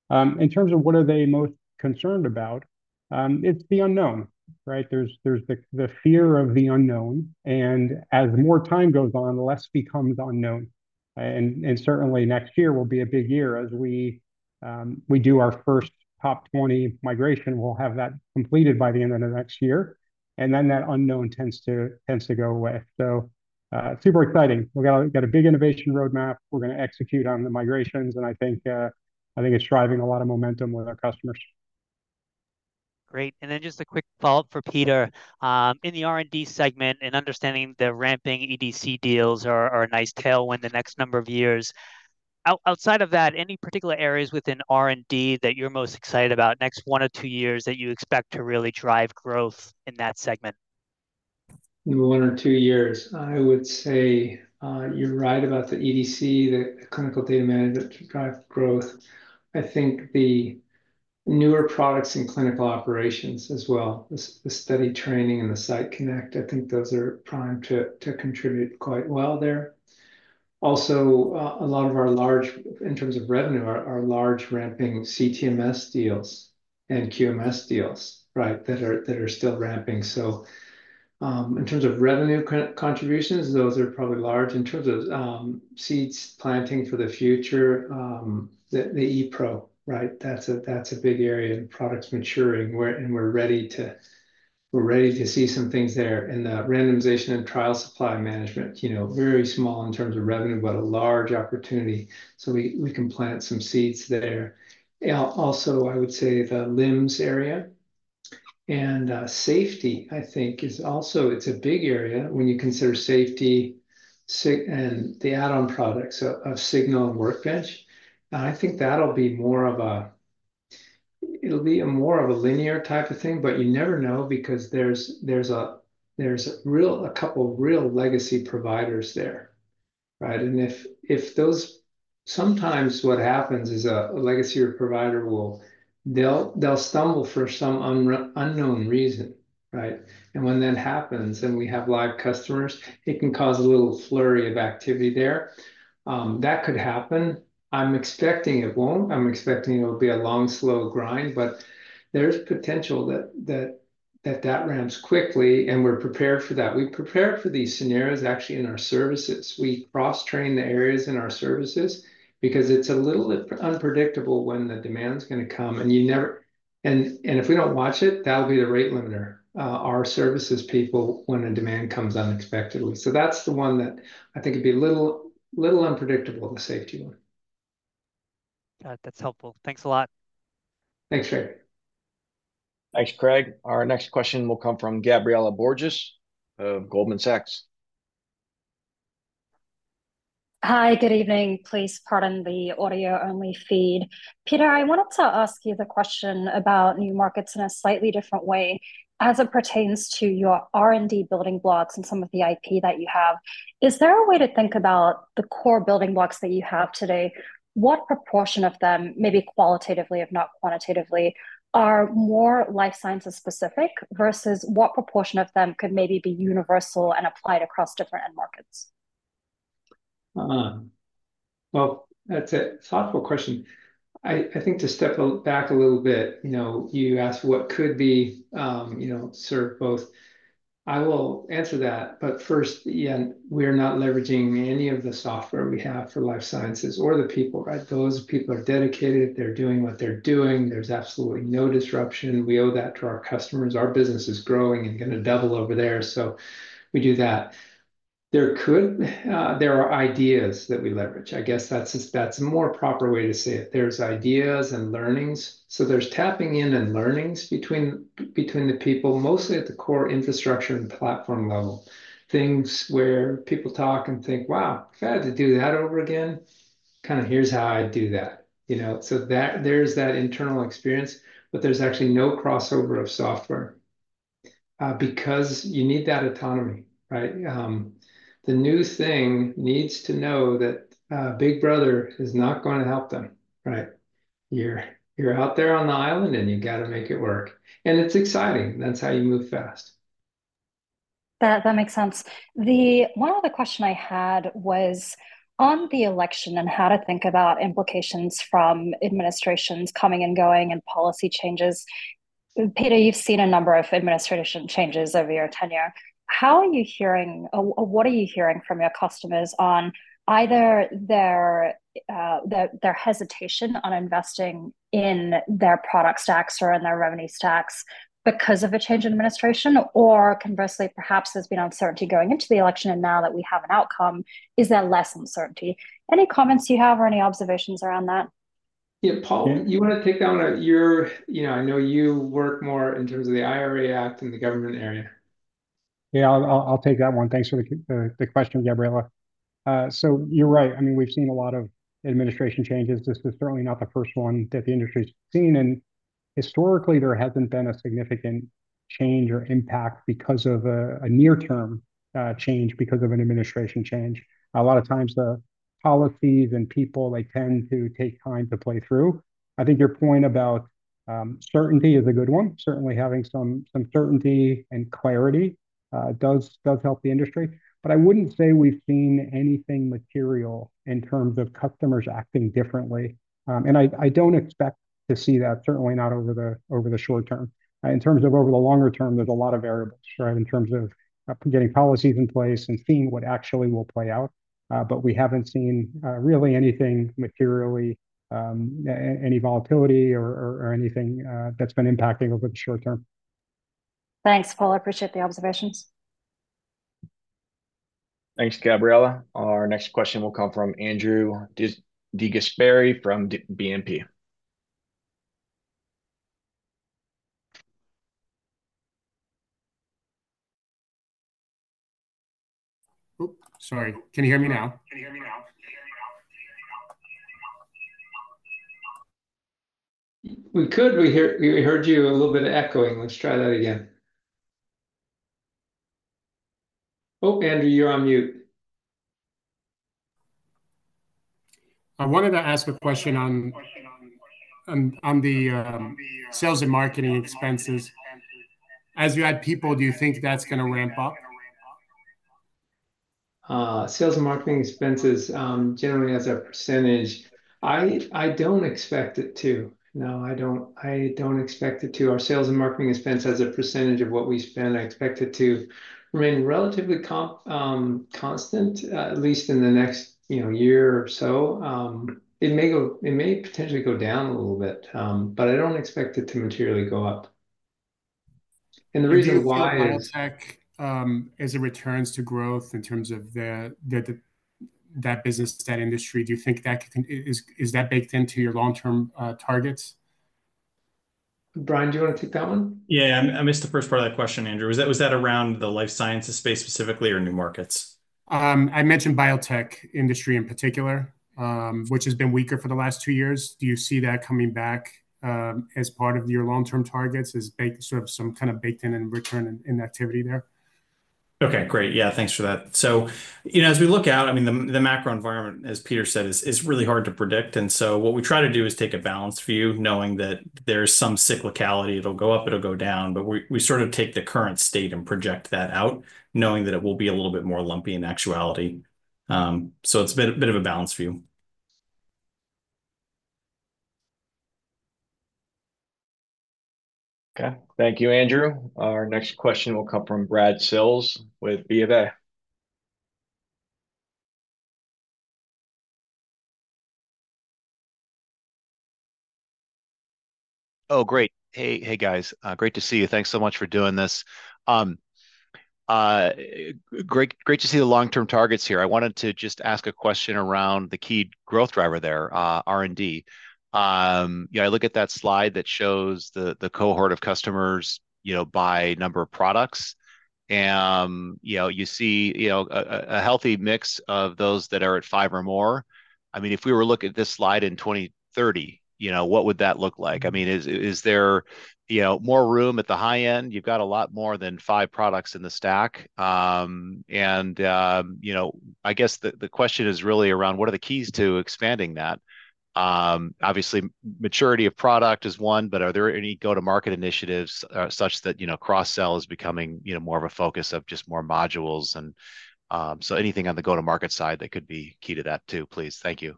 in terms of what are they most concerned about? It's the unknown. Right. There's the fear of the unknown, and as more time goes on, less becomes unknown, and certainly next year will be a big year as we do our first top 20 migration. We'll have that completed by the end of the next year, and then that unknown tends to go away, so super exciting. We've got a big innovation roadmap we're going to execute on the migrations and I think it's driving a lot of momentum with our customers. Great. And then just a quick follow up. For Peter, in the R&D segment, and understanding the ramping EDC deals are a nice tailwind the next number of years. Outside of that, any particular areas within R&D that you're most excited about next one or two years that you expect to really drive growth in that segment? One or two years. I would say you're right about the EDC, that clinical data management to drive growth. I think the newer products in clinical operations as well, the Study Training and the Site Connect. I think those are primed to contribute quite well there. Also a lot of our large, in terms of revenue, are large ramping CTMS deals and QMS deals. Right. That are, that are still ramping. So in terms of revenue contributions those are probably large. In terms of seeds planting for the future, the ePRO. Right. That's a, that's a big area. The products maturing where and we're ready to, we're ready to see some things there in the randomization and trial supply management. You know, very small in terms of revenue but a large opportunity so we can plant some seeds there. Also, I would say the LIMS area and safety I think is also. It's a big area when you consider safety and the add-on products of Signal and Workbench. I think that'll be more of a linear type of thing, but you never know because there's a couple real legacy providers there. Right. And if those, sometimes what happens is a legacy provider will, they'll stumble for some unknown reason. Right. And when that happens and we have live customers, it can cause a little flurry of activity there. That could happen. I'm expecting it won't, I'm expecting it'll be a long slow grind. But there's potential that that ramps quickly. And we're prepared for that. We prepare for these scenarios actually in our services. We cross train the areas in our services because it's a little unpredictable when the demand's going to come. If we don't watch it, that'll be the rate limiter. Our services people, when a demand comes unexpectedly, so that's the one that I think it'd be a little unpredictable. The safety one. That's helpful. Thanks a lot. Thanks, Jay. Thanks, Craig. Our next question will come from Gabriella Borges of Goldman Sachs. Hi, good evening. Please pardon the audio-only feed. Peter, I wanted to ask you the question about new markets in a slightly different way as it pertains to your R&D building blocks and some of the IP that you have. Is there a way to think about the core building blocks that you have today? What proportion of them, maybe qualitatively, if not quantitatively, are more life sciences specific versus what proportion of them could maybe be universal and applied across different end markets? That's a thoughtful question. I think to step back a little bit. You asked what could be served by both. I will answer that, but first, we are not leveraging any of the software we have for life sciences or the people. Those people are dedicated. They're doing what they're doing. There's absolutely no disruption. We owe that to our customers. Our business is growing and going to double over there, so we do that. There are ideas that we leverage. I guess that's more proper way to say it. There's ideas and leverage learnings, so there's tapping in and learnings between the people, mostly at the core infrastructure and platform level. Things where people talk and think, wow, if I had to do that over again, kind of, here's how I do that, you know, so that there's that internal experience, but there's actually no crossover of software because you need that autonomy. Right. The new thing needs to know that Big Brother is not going to help them. Right. You're out there on the island and you got to make it work and it's exciting. That's how you move fast. That makes sense. One other question I had was on the election and how to think about implications from administrations coming and going and policy changes. Peter, you've seen a number of administration changes over your tenure. How are you hearing? What are you hearing from your customers on either their hesitation on investing in their product stacks or in their revenue stacks because of a change in administration, or conversely, perhaps there's been uncertainty going into the election and now that we have an outcome, is there less uncertainty? Any comments you have or any observations around that? Yeah. Paul, you want to take down your. I know you work more in terms of the IRA Act in the government area. Yeah, I'll take that one. Thanks for the question, Gabriela. So you're right. I mean we've seen a lot of administration changes. This is certainly not the first one that the industry's seen and historically there hasn't been a significant change or impact because of a near term change, because of an administration change. A lot of times the policies and people, they tend to take time to play through. I think your point about certainty is a good one. Certainly having some certainty and clarity does help the industry. But I wouldn't say we've seen anything material in terms of customers acting differently and I don't expect to see that. Certainly not over the short term. Over the longer term, there's a lot of variables right in terms of getting policies in place and seeing what actually will play out. But we haven't seen really anything materially, any volatility or anything that's been impacting over the short term. Thanks, Paul. I appreciate the observations. Thanks, Gabriella. Our next question will come from Andrew DeGasperi from Berenberg Capital Markets. Sorry, can you hear me now? We could. We hear. We heard you. A little bit of echoing. Let's try that again. Oh, Andrew, you're on mute. I wanted to ask a question on. The sales and marketing expenses, as you. Add people, do you think that's going? To ramp up. Sales and marketing expenses generally as a percentage? I don't expect it to. No, I don't. Our sales and marketing expense as a percentage of what we spend, I expect it to remain relatively constant at least in the next, you know, year or so. It may potentially go down a little bit, but I don't expect it to materially go up. The reason why as it returns to growth in terms of that business, that industry, do you think that is baked into your long-term targets? Brian, do you want to take that one? Yeah, I missed the first part of that question, Andrew. Was that, was that around the life sciences space specifically or new markets? I mentioned biotech industry in particular, which has been weaker for the last two years. Do you see that coming back as part of your long term targets is baked, sort of some kind of baked in and return in activity? There's. Okay, great. Yeah, thanks for that. So, you know, as we look out, I mean the macro environment, as Peter said, is really hard to predict. And so what we try to do is take a balanced view, knowing that there's some cyclicality, it'll go up, it'll go down, but we sort of take the current state and project that out knowing that it will be a little bit more lumpy in actuality. So it's been a bit of a balanced view. Okay, thank you, Andrew. Our next question will come from Brad Sills with B of A. Oh, great. Hey. Hey guys. Great to see you. Thanks so much for doing this. Great, great to see the long term targets here. I wanted to just ask a question around the key growth driver there, R&D. You know, I look at that slide that shows the cohort of customers, you know, by number of products and you know, you see, you know, a healthy mix of those that are at five or more. I mean if we were looking at this slide in 2030, you know, what would that look like? I mean is there, you know, more room at the high end? You've got a lot more than five products in the stack. And you know, I guess the question is really around what are the keys to expanding that? Obviously, maturity of product is one, but are there any go to market initiatives such that, you know, cross sell is becoming, you know, more of a focus of just more modules and so anything on the go to market side, that could be key to that too, please? Thank you.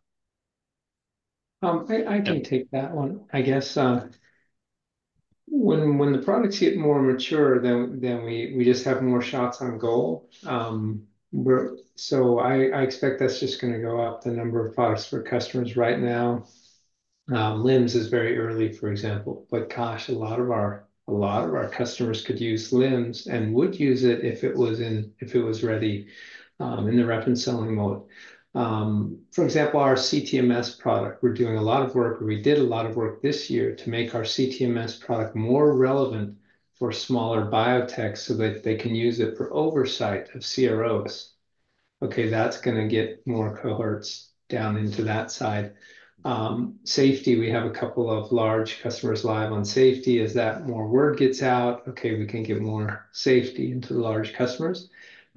I can take that one. I guess when the products get more mature then we just have more shots on goal. We're so I expect that's just going to go up, the number of products for customers. Right now LIMS is very early, for example, but gosh, a lot of our customers could use LIMS and would use it if it was ready in the rep and selling mode. For example, our CTMS product, we're doing a lot of work, we did a lot of work this year to make our CTMS product more relevant for smaller biotechs so that they can use it for oversight of CROs. Okay, that's going to get more cohorts down into that side. Safety. We have a couple of large customers live on safety. As more word gets out, okay, we can get more Safety into the large customers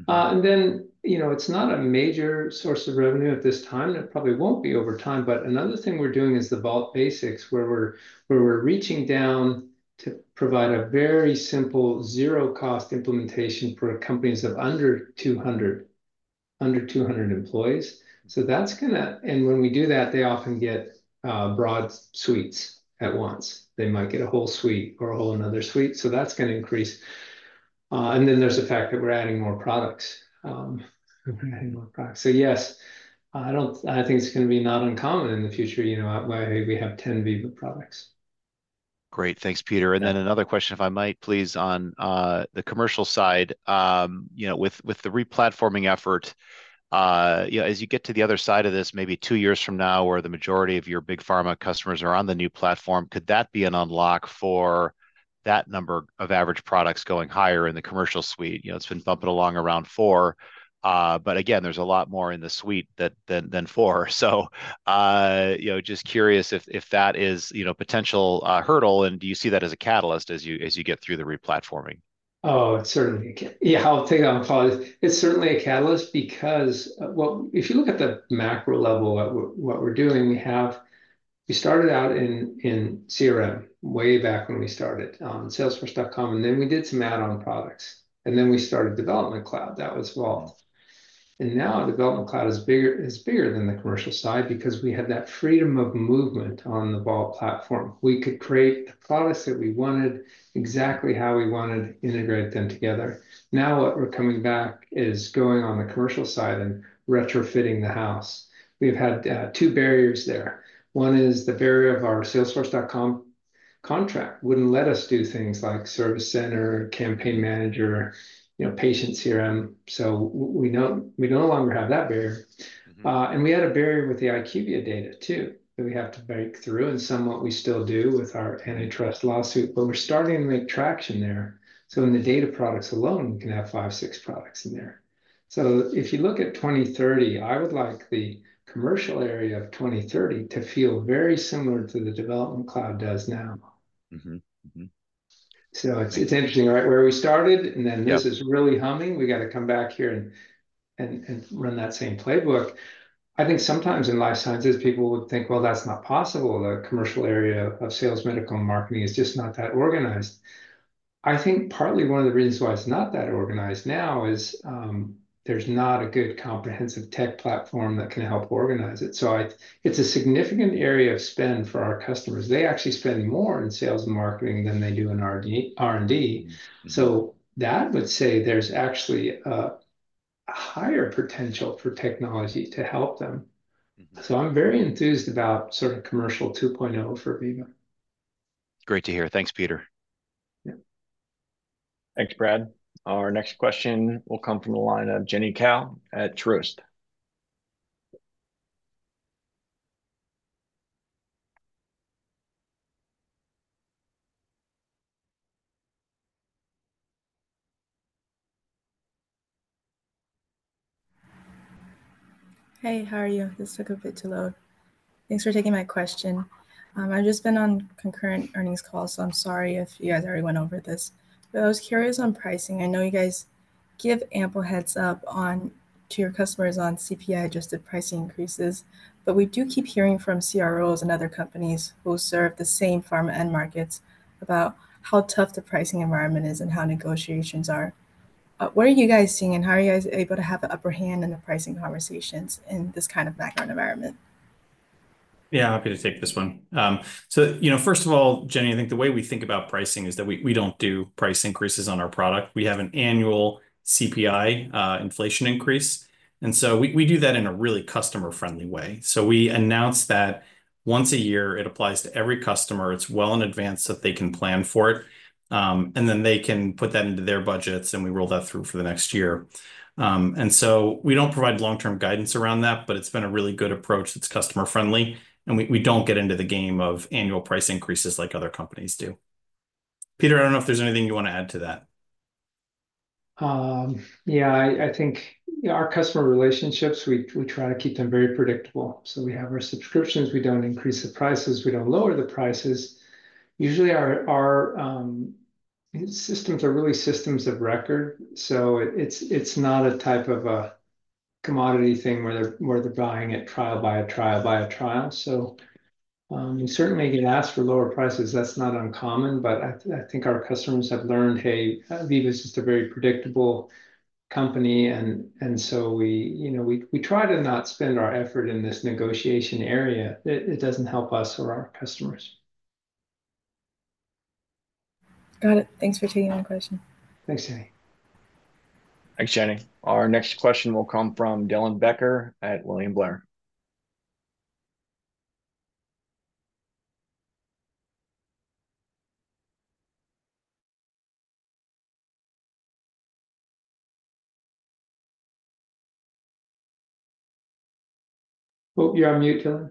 and then, you know, it's not a major source of revenue at this time. It probably won't be over time. But another thing we're doing is the Vault Basics where we're reaching down to provide a very simple zero-cost implementation for companies of under 200, under 200 employees. So that's gonna. And when we do that, they often get broad suites at once. They might get a whole suite or a whole, another suite. So that's going to increase. And then there's the fact that we're adding more products. So yes, I don't, I think it's going to be not uncommon in the future. You know, we have 10 Veeva products. Great, thanks, Peter. And then another question if I might please. On the commercial side, you know, with the replatforming effort, you know, as you get to the other side of this, maybe two years from now where the majority of your big pharma customers are on the new platform, could that be an unlock for that number of average products going higher in the commercial suite? You know, it's been bumping along around four. But again there's a lot more in the suite than four. So you know, just curious if that is, you know, potential hurdle and do you see that as a catalyst as you, as you get through the replatforming? Oh, it's certainly. Yeah, I'll take that. Apologize. It's certainly a catalyst because. Well, if you look at the macro level at what we're doing, we have we started out in CRM way back when we started on Salesforce.com and then we did some add-on products and then we started Development Cloud. That was. Well and now Development Cloud is bigger than the commercial side because we have that freedom of movement on the Vault Platform. We could create the products that we wanted exactly how we wanted, integrate them together. Now what we're coming back is going on the commercial side and retrofitting the house. We've had two barriers there. One is the barrier of our Salesforce.com contract wouldn't let us do things like Service Center, Campaign Manager, you know, Patient CRM. So we know we no longer have that barrier and we had a barrier with the IQVIA data too that we have to break through and somewhat we still do with our antitrust lawsuit, but we're starting to make traction there. So in the data products alone, we can have five, six products in there. So if you look at 2030, I would like the commercial area of 2030 to feel very similar to the Development Cloud does now. So it's interesting right where we started and then this is really humming. We got to come back here and run that same playbook. I think sometimes in life sciences people would think, well, that's not possible. The commercial area of sales, medical marketing is just not that organized. I think partly one of the reasons why it's not that organized now is there's not a good comprehensive tech platform that can help organize it. So it's a significant area of spend for our customers. They actually spend more in sales and marketing than they do in R&D. So that would say there's actually higher potential for technology to help them. So I'm very enthused about sort of commercial 2.0 for Veeva. Great to hear. Thanks, Peter. Thanks, Brad. Our next question will come from the line of. Hey, how are you? This took a bit to load. Thanks for taking my question. I've just been on concurrent earnings calls, so I'm sorry if you guys already went over this, but I was curious. On pricing, I know you guys give ample heads up on to your customers on CPI adjusted pricing increases, but we do keep hearing from CROs and other. People, companies who serve the same pharma. Markets, about how tough the pricing environment is and how negotiations are. What are you guys seeing and how are you guys able to have an? Upper hand in the pricing conversations in this kind of background environment? Yeah, I'm happy to take this one. So, you know, first of all, Jenny, I think the way we think about pricing is that we don't do price increases on our product. We have an annual CPI inflation increase and so we do that in a really customer friendly way. So we announced that once a year it applies to every customer. It's well in advance that they can plan for it and then they can put that into their budgets and we roll that through for the next year. And so we don't provide long term guidance around that. But it's been a really good approach that's customer friendly. And we don't get into the game of annual price increases like other companies do. Peter, I don't know if there's anything you want to add to that. Yeah, I think our customer relationships, we try to keep them very predictable. So we have our subscriptions, we don't increase the prices, we don't lower prices. Usually our systems are really systems of record. So it's not a type of a commodity thing where they're buying it trial by a trial by a trial. So you certainly can ask for lower prices. That's not uncommon. But I think our customers have learned, hey, Veeva is just a very predictable company. And so we try to not spend our effort in this negotiation area, it doesn't help us or our customers. Got it. Thanks for taking the question. Thanks Jenny. Thanks, Jailendra. Our next question will come from Dylan Becker at William Blair. Oh, you're on mute, Dylan.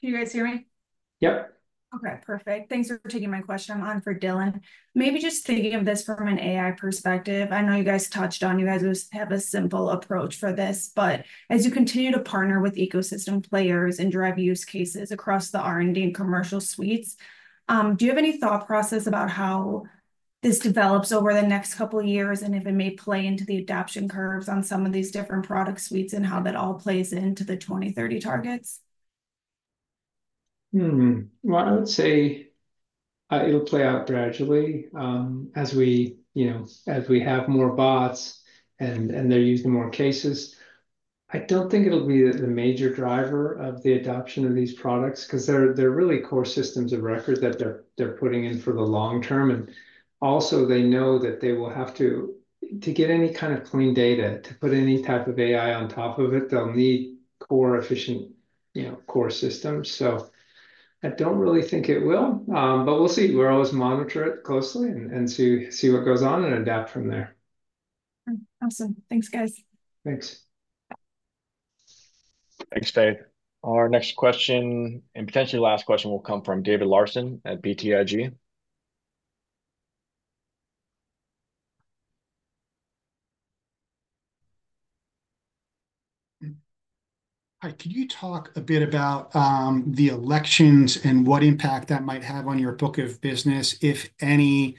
Can you guys hear me? Yep. Okay, perfect. Thanks for taking my question. I'm on for Dylan. Maybe just thinking of this from an AI perspective, I know you guys touched on. You guys have a simple approach for this, but as you continue to partner with ecosystem players and drive use cases across the R&D and commercial suites, do you have any thought process about how this develops over the next couple years and if it may play into the adoption curves on some of these different product suites and how that all plays into the 2030 targets? I would say it'll play out gradually as we, you know, as we have more bots and, and they're using more cases. I don't think it'll be the major driver of the adoption of these products because they're, they're really core systems of record that they're, they're putting in for the long term and also they know that they will have to, to get any kind of clean data to put any type of AI on top of it. They'll need core efficient, you know, core systems. So I don't really think it will, but we'll see. We're always monitor it closely and see, see what goes on and adapt from there. Awesome. Thanks guys. Thanks. Thanks, Dave. Our next question and potentially last question will come from David Larson at BTIG. Hi, can you talk a bit about the elections and what impact that might have on your book of business, if any?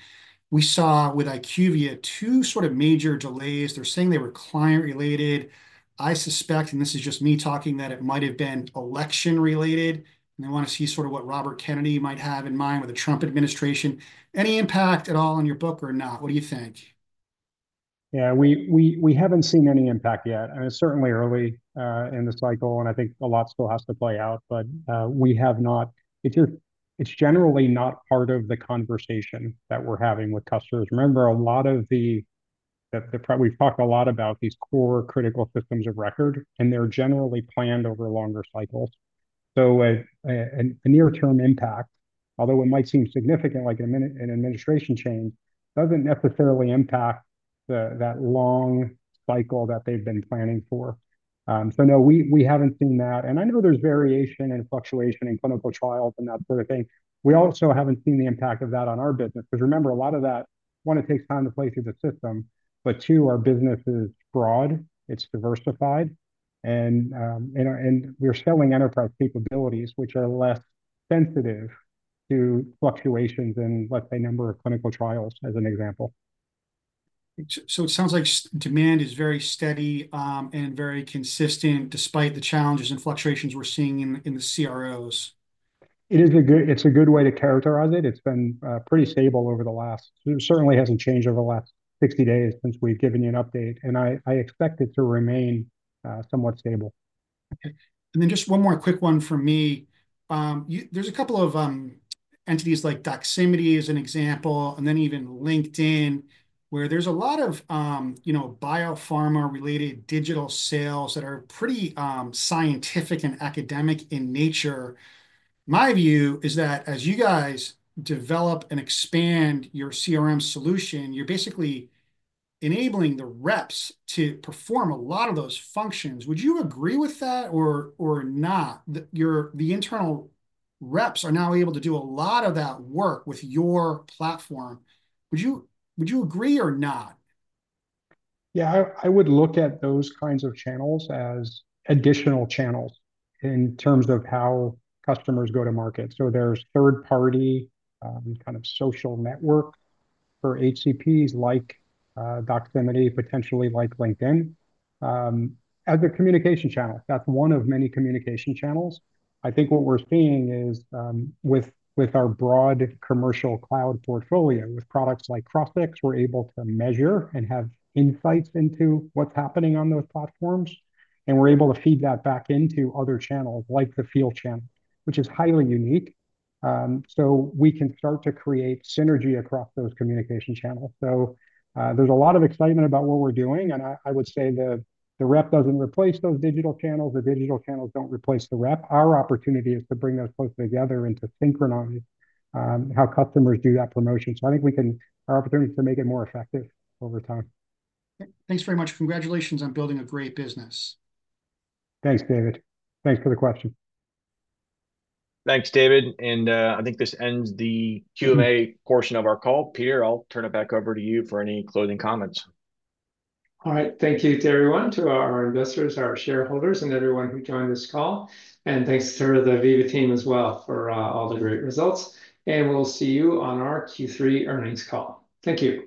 We saw with IQVIA sort of major delays. They're saying they were client related, I suspect, and this is just me talking that it might have been election related and they want to see sort of what Robert F. Kennedy Jr. might have in mind with the Trump administration. Any impact at all on your book or not? What do you think? Yeah, we haven't seen any impact yet. I mean certainly early in the cycle and I think a lot still has to play out, but we have not, it's just, it's generally not part of the conversation that we're having with customers. Remember a lot of the, that we've talked a lot about these core critical systems of record and they're generally planned over longer cycles. So a near term impact, although it might seem significant like an administration change, doesn't necessarily impact that long cycle that they've been planning for. So no, we haven't seen that and I know there's variation and fluctuation in clinical trials and that sort of thing. We also haven't seen the impact of that on our business because remember a lot of that one, it takes time to play through the system. But two, our business is broad, it's diversified and we're selling enterprise capabilities which are less sensitive to fluctuations in let's say number of clinical trials as an example. So it sounds like demand is very steady and very consistent despite the challenges and fluctuations we're seeing in the CROs. It's a good way to characterize it. It's been pretty stable over the last, certainly hasn't changed over the last 60 days since we've given you an update, and I expect it to remain somewhat stable. And then just one more quick one for me. There's a couple of entities like Doximity as an example and then even LinkedIn where there's a lot of biopharma related digital sales that are pretty scientific and academic in nature. My view is that as you guys develop and expand your CRM solution, you're basically enabling the reps to perform a lot of those functions. Would you agree with that or, or not? Your internal reps are now able to do a lot of that work with your platform. Would you, would you agree or not? Yeah, I would look at those kinds of channels as additional channels in terms of how customers go to market. So there's third party kind of social network for HCPs like Doximity, potentially like LinkedIn as a communication channel. That's one of many communication channels. I think what we're seeing is with our broad Commercial Cloud portfolio, with products like Crossix, we're able to measure and have insights into what's happening on those platforms and we're able to feed that back into other channels like the field channel, which is highly unique. So we can start to create synergy across those communication channels. So there's a lot of excitement about what we're doing. And I would say the rep doesn't replace those digital channels. The digital channels don't replace the rep. Our opportunity is to bring those closer together and to synchronize how customers do that promotion. So I think we can our opportunities to make it more effective over time. Thanks very much. Congratulations on building a great business. Thanks David. Thanks for the question. Thanks David. And I think this ends the Q&A portion of our call. Peter, I'll turn it back over to you for any closing comments. All right, thank you to everyone, to our investors, our shareholders and everyone who joined this call, and thanks to the Veeva team as well for all the great results, and we'll see you on our Q3 earnings call. Thank you.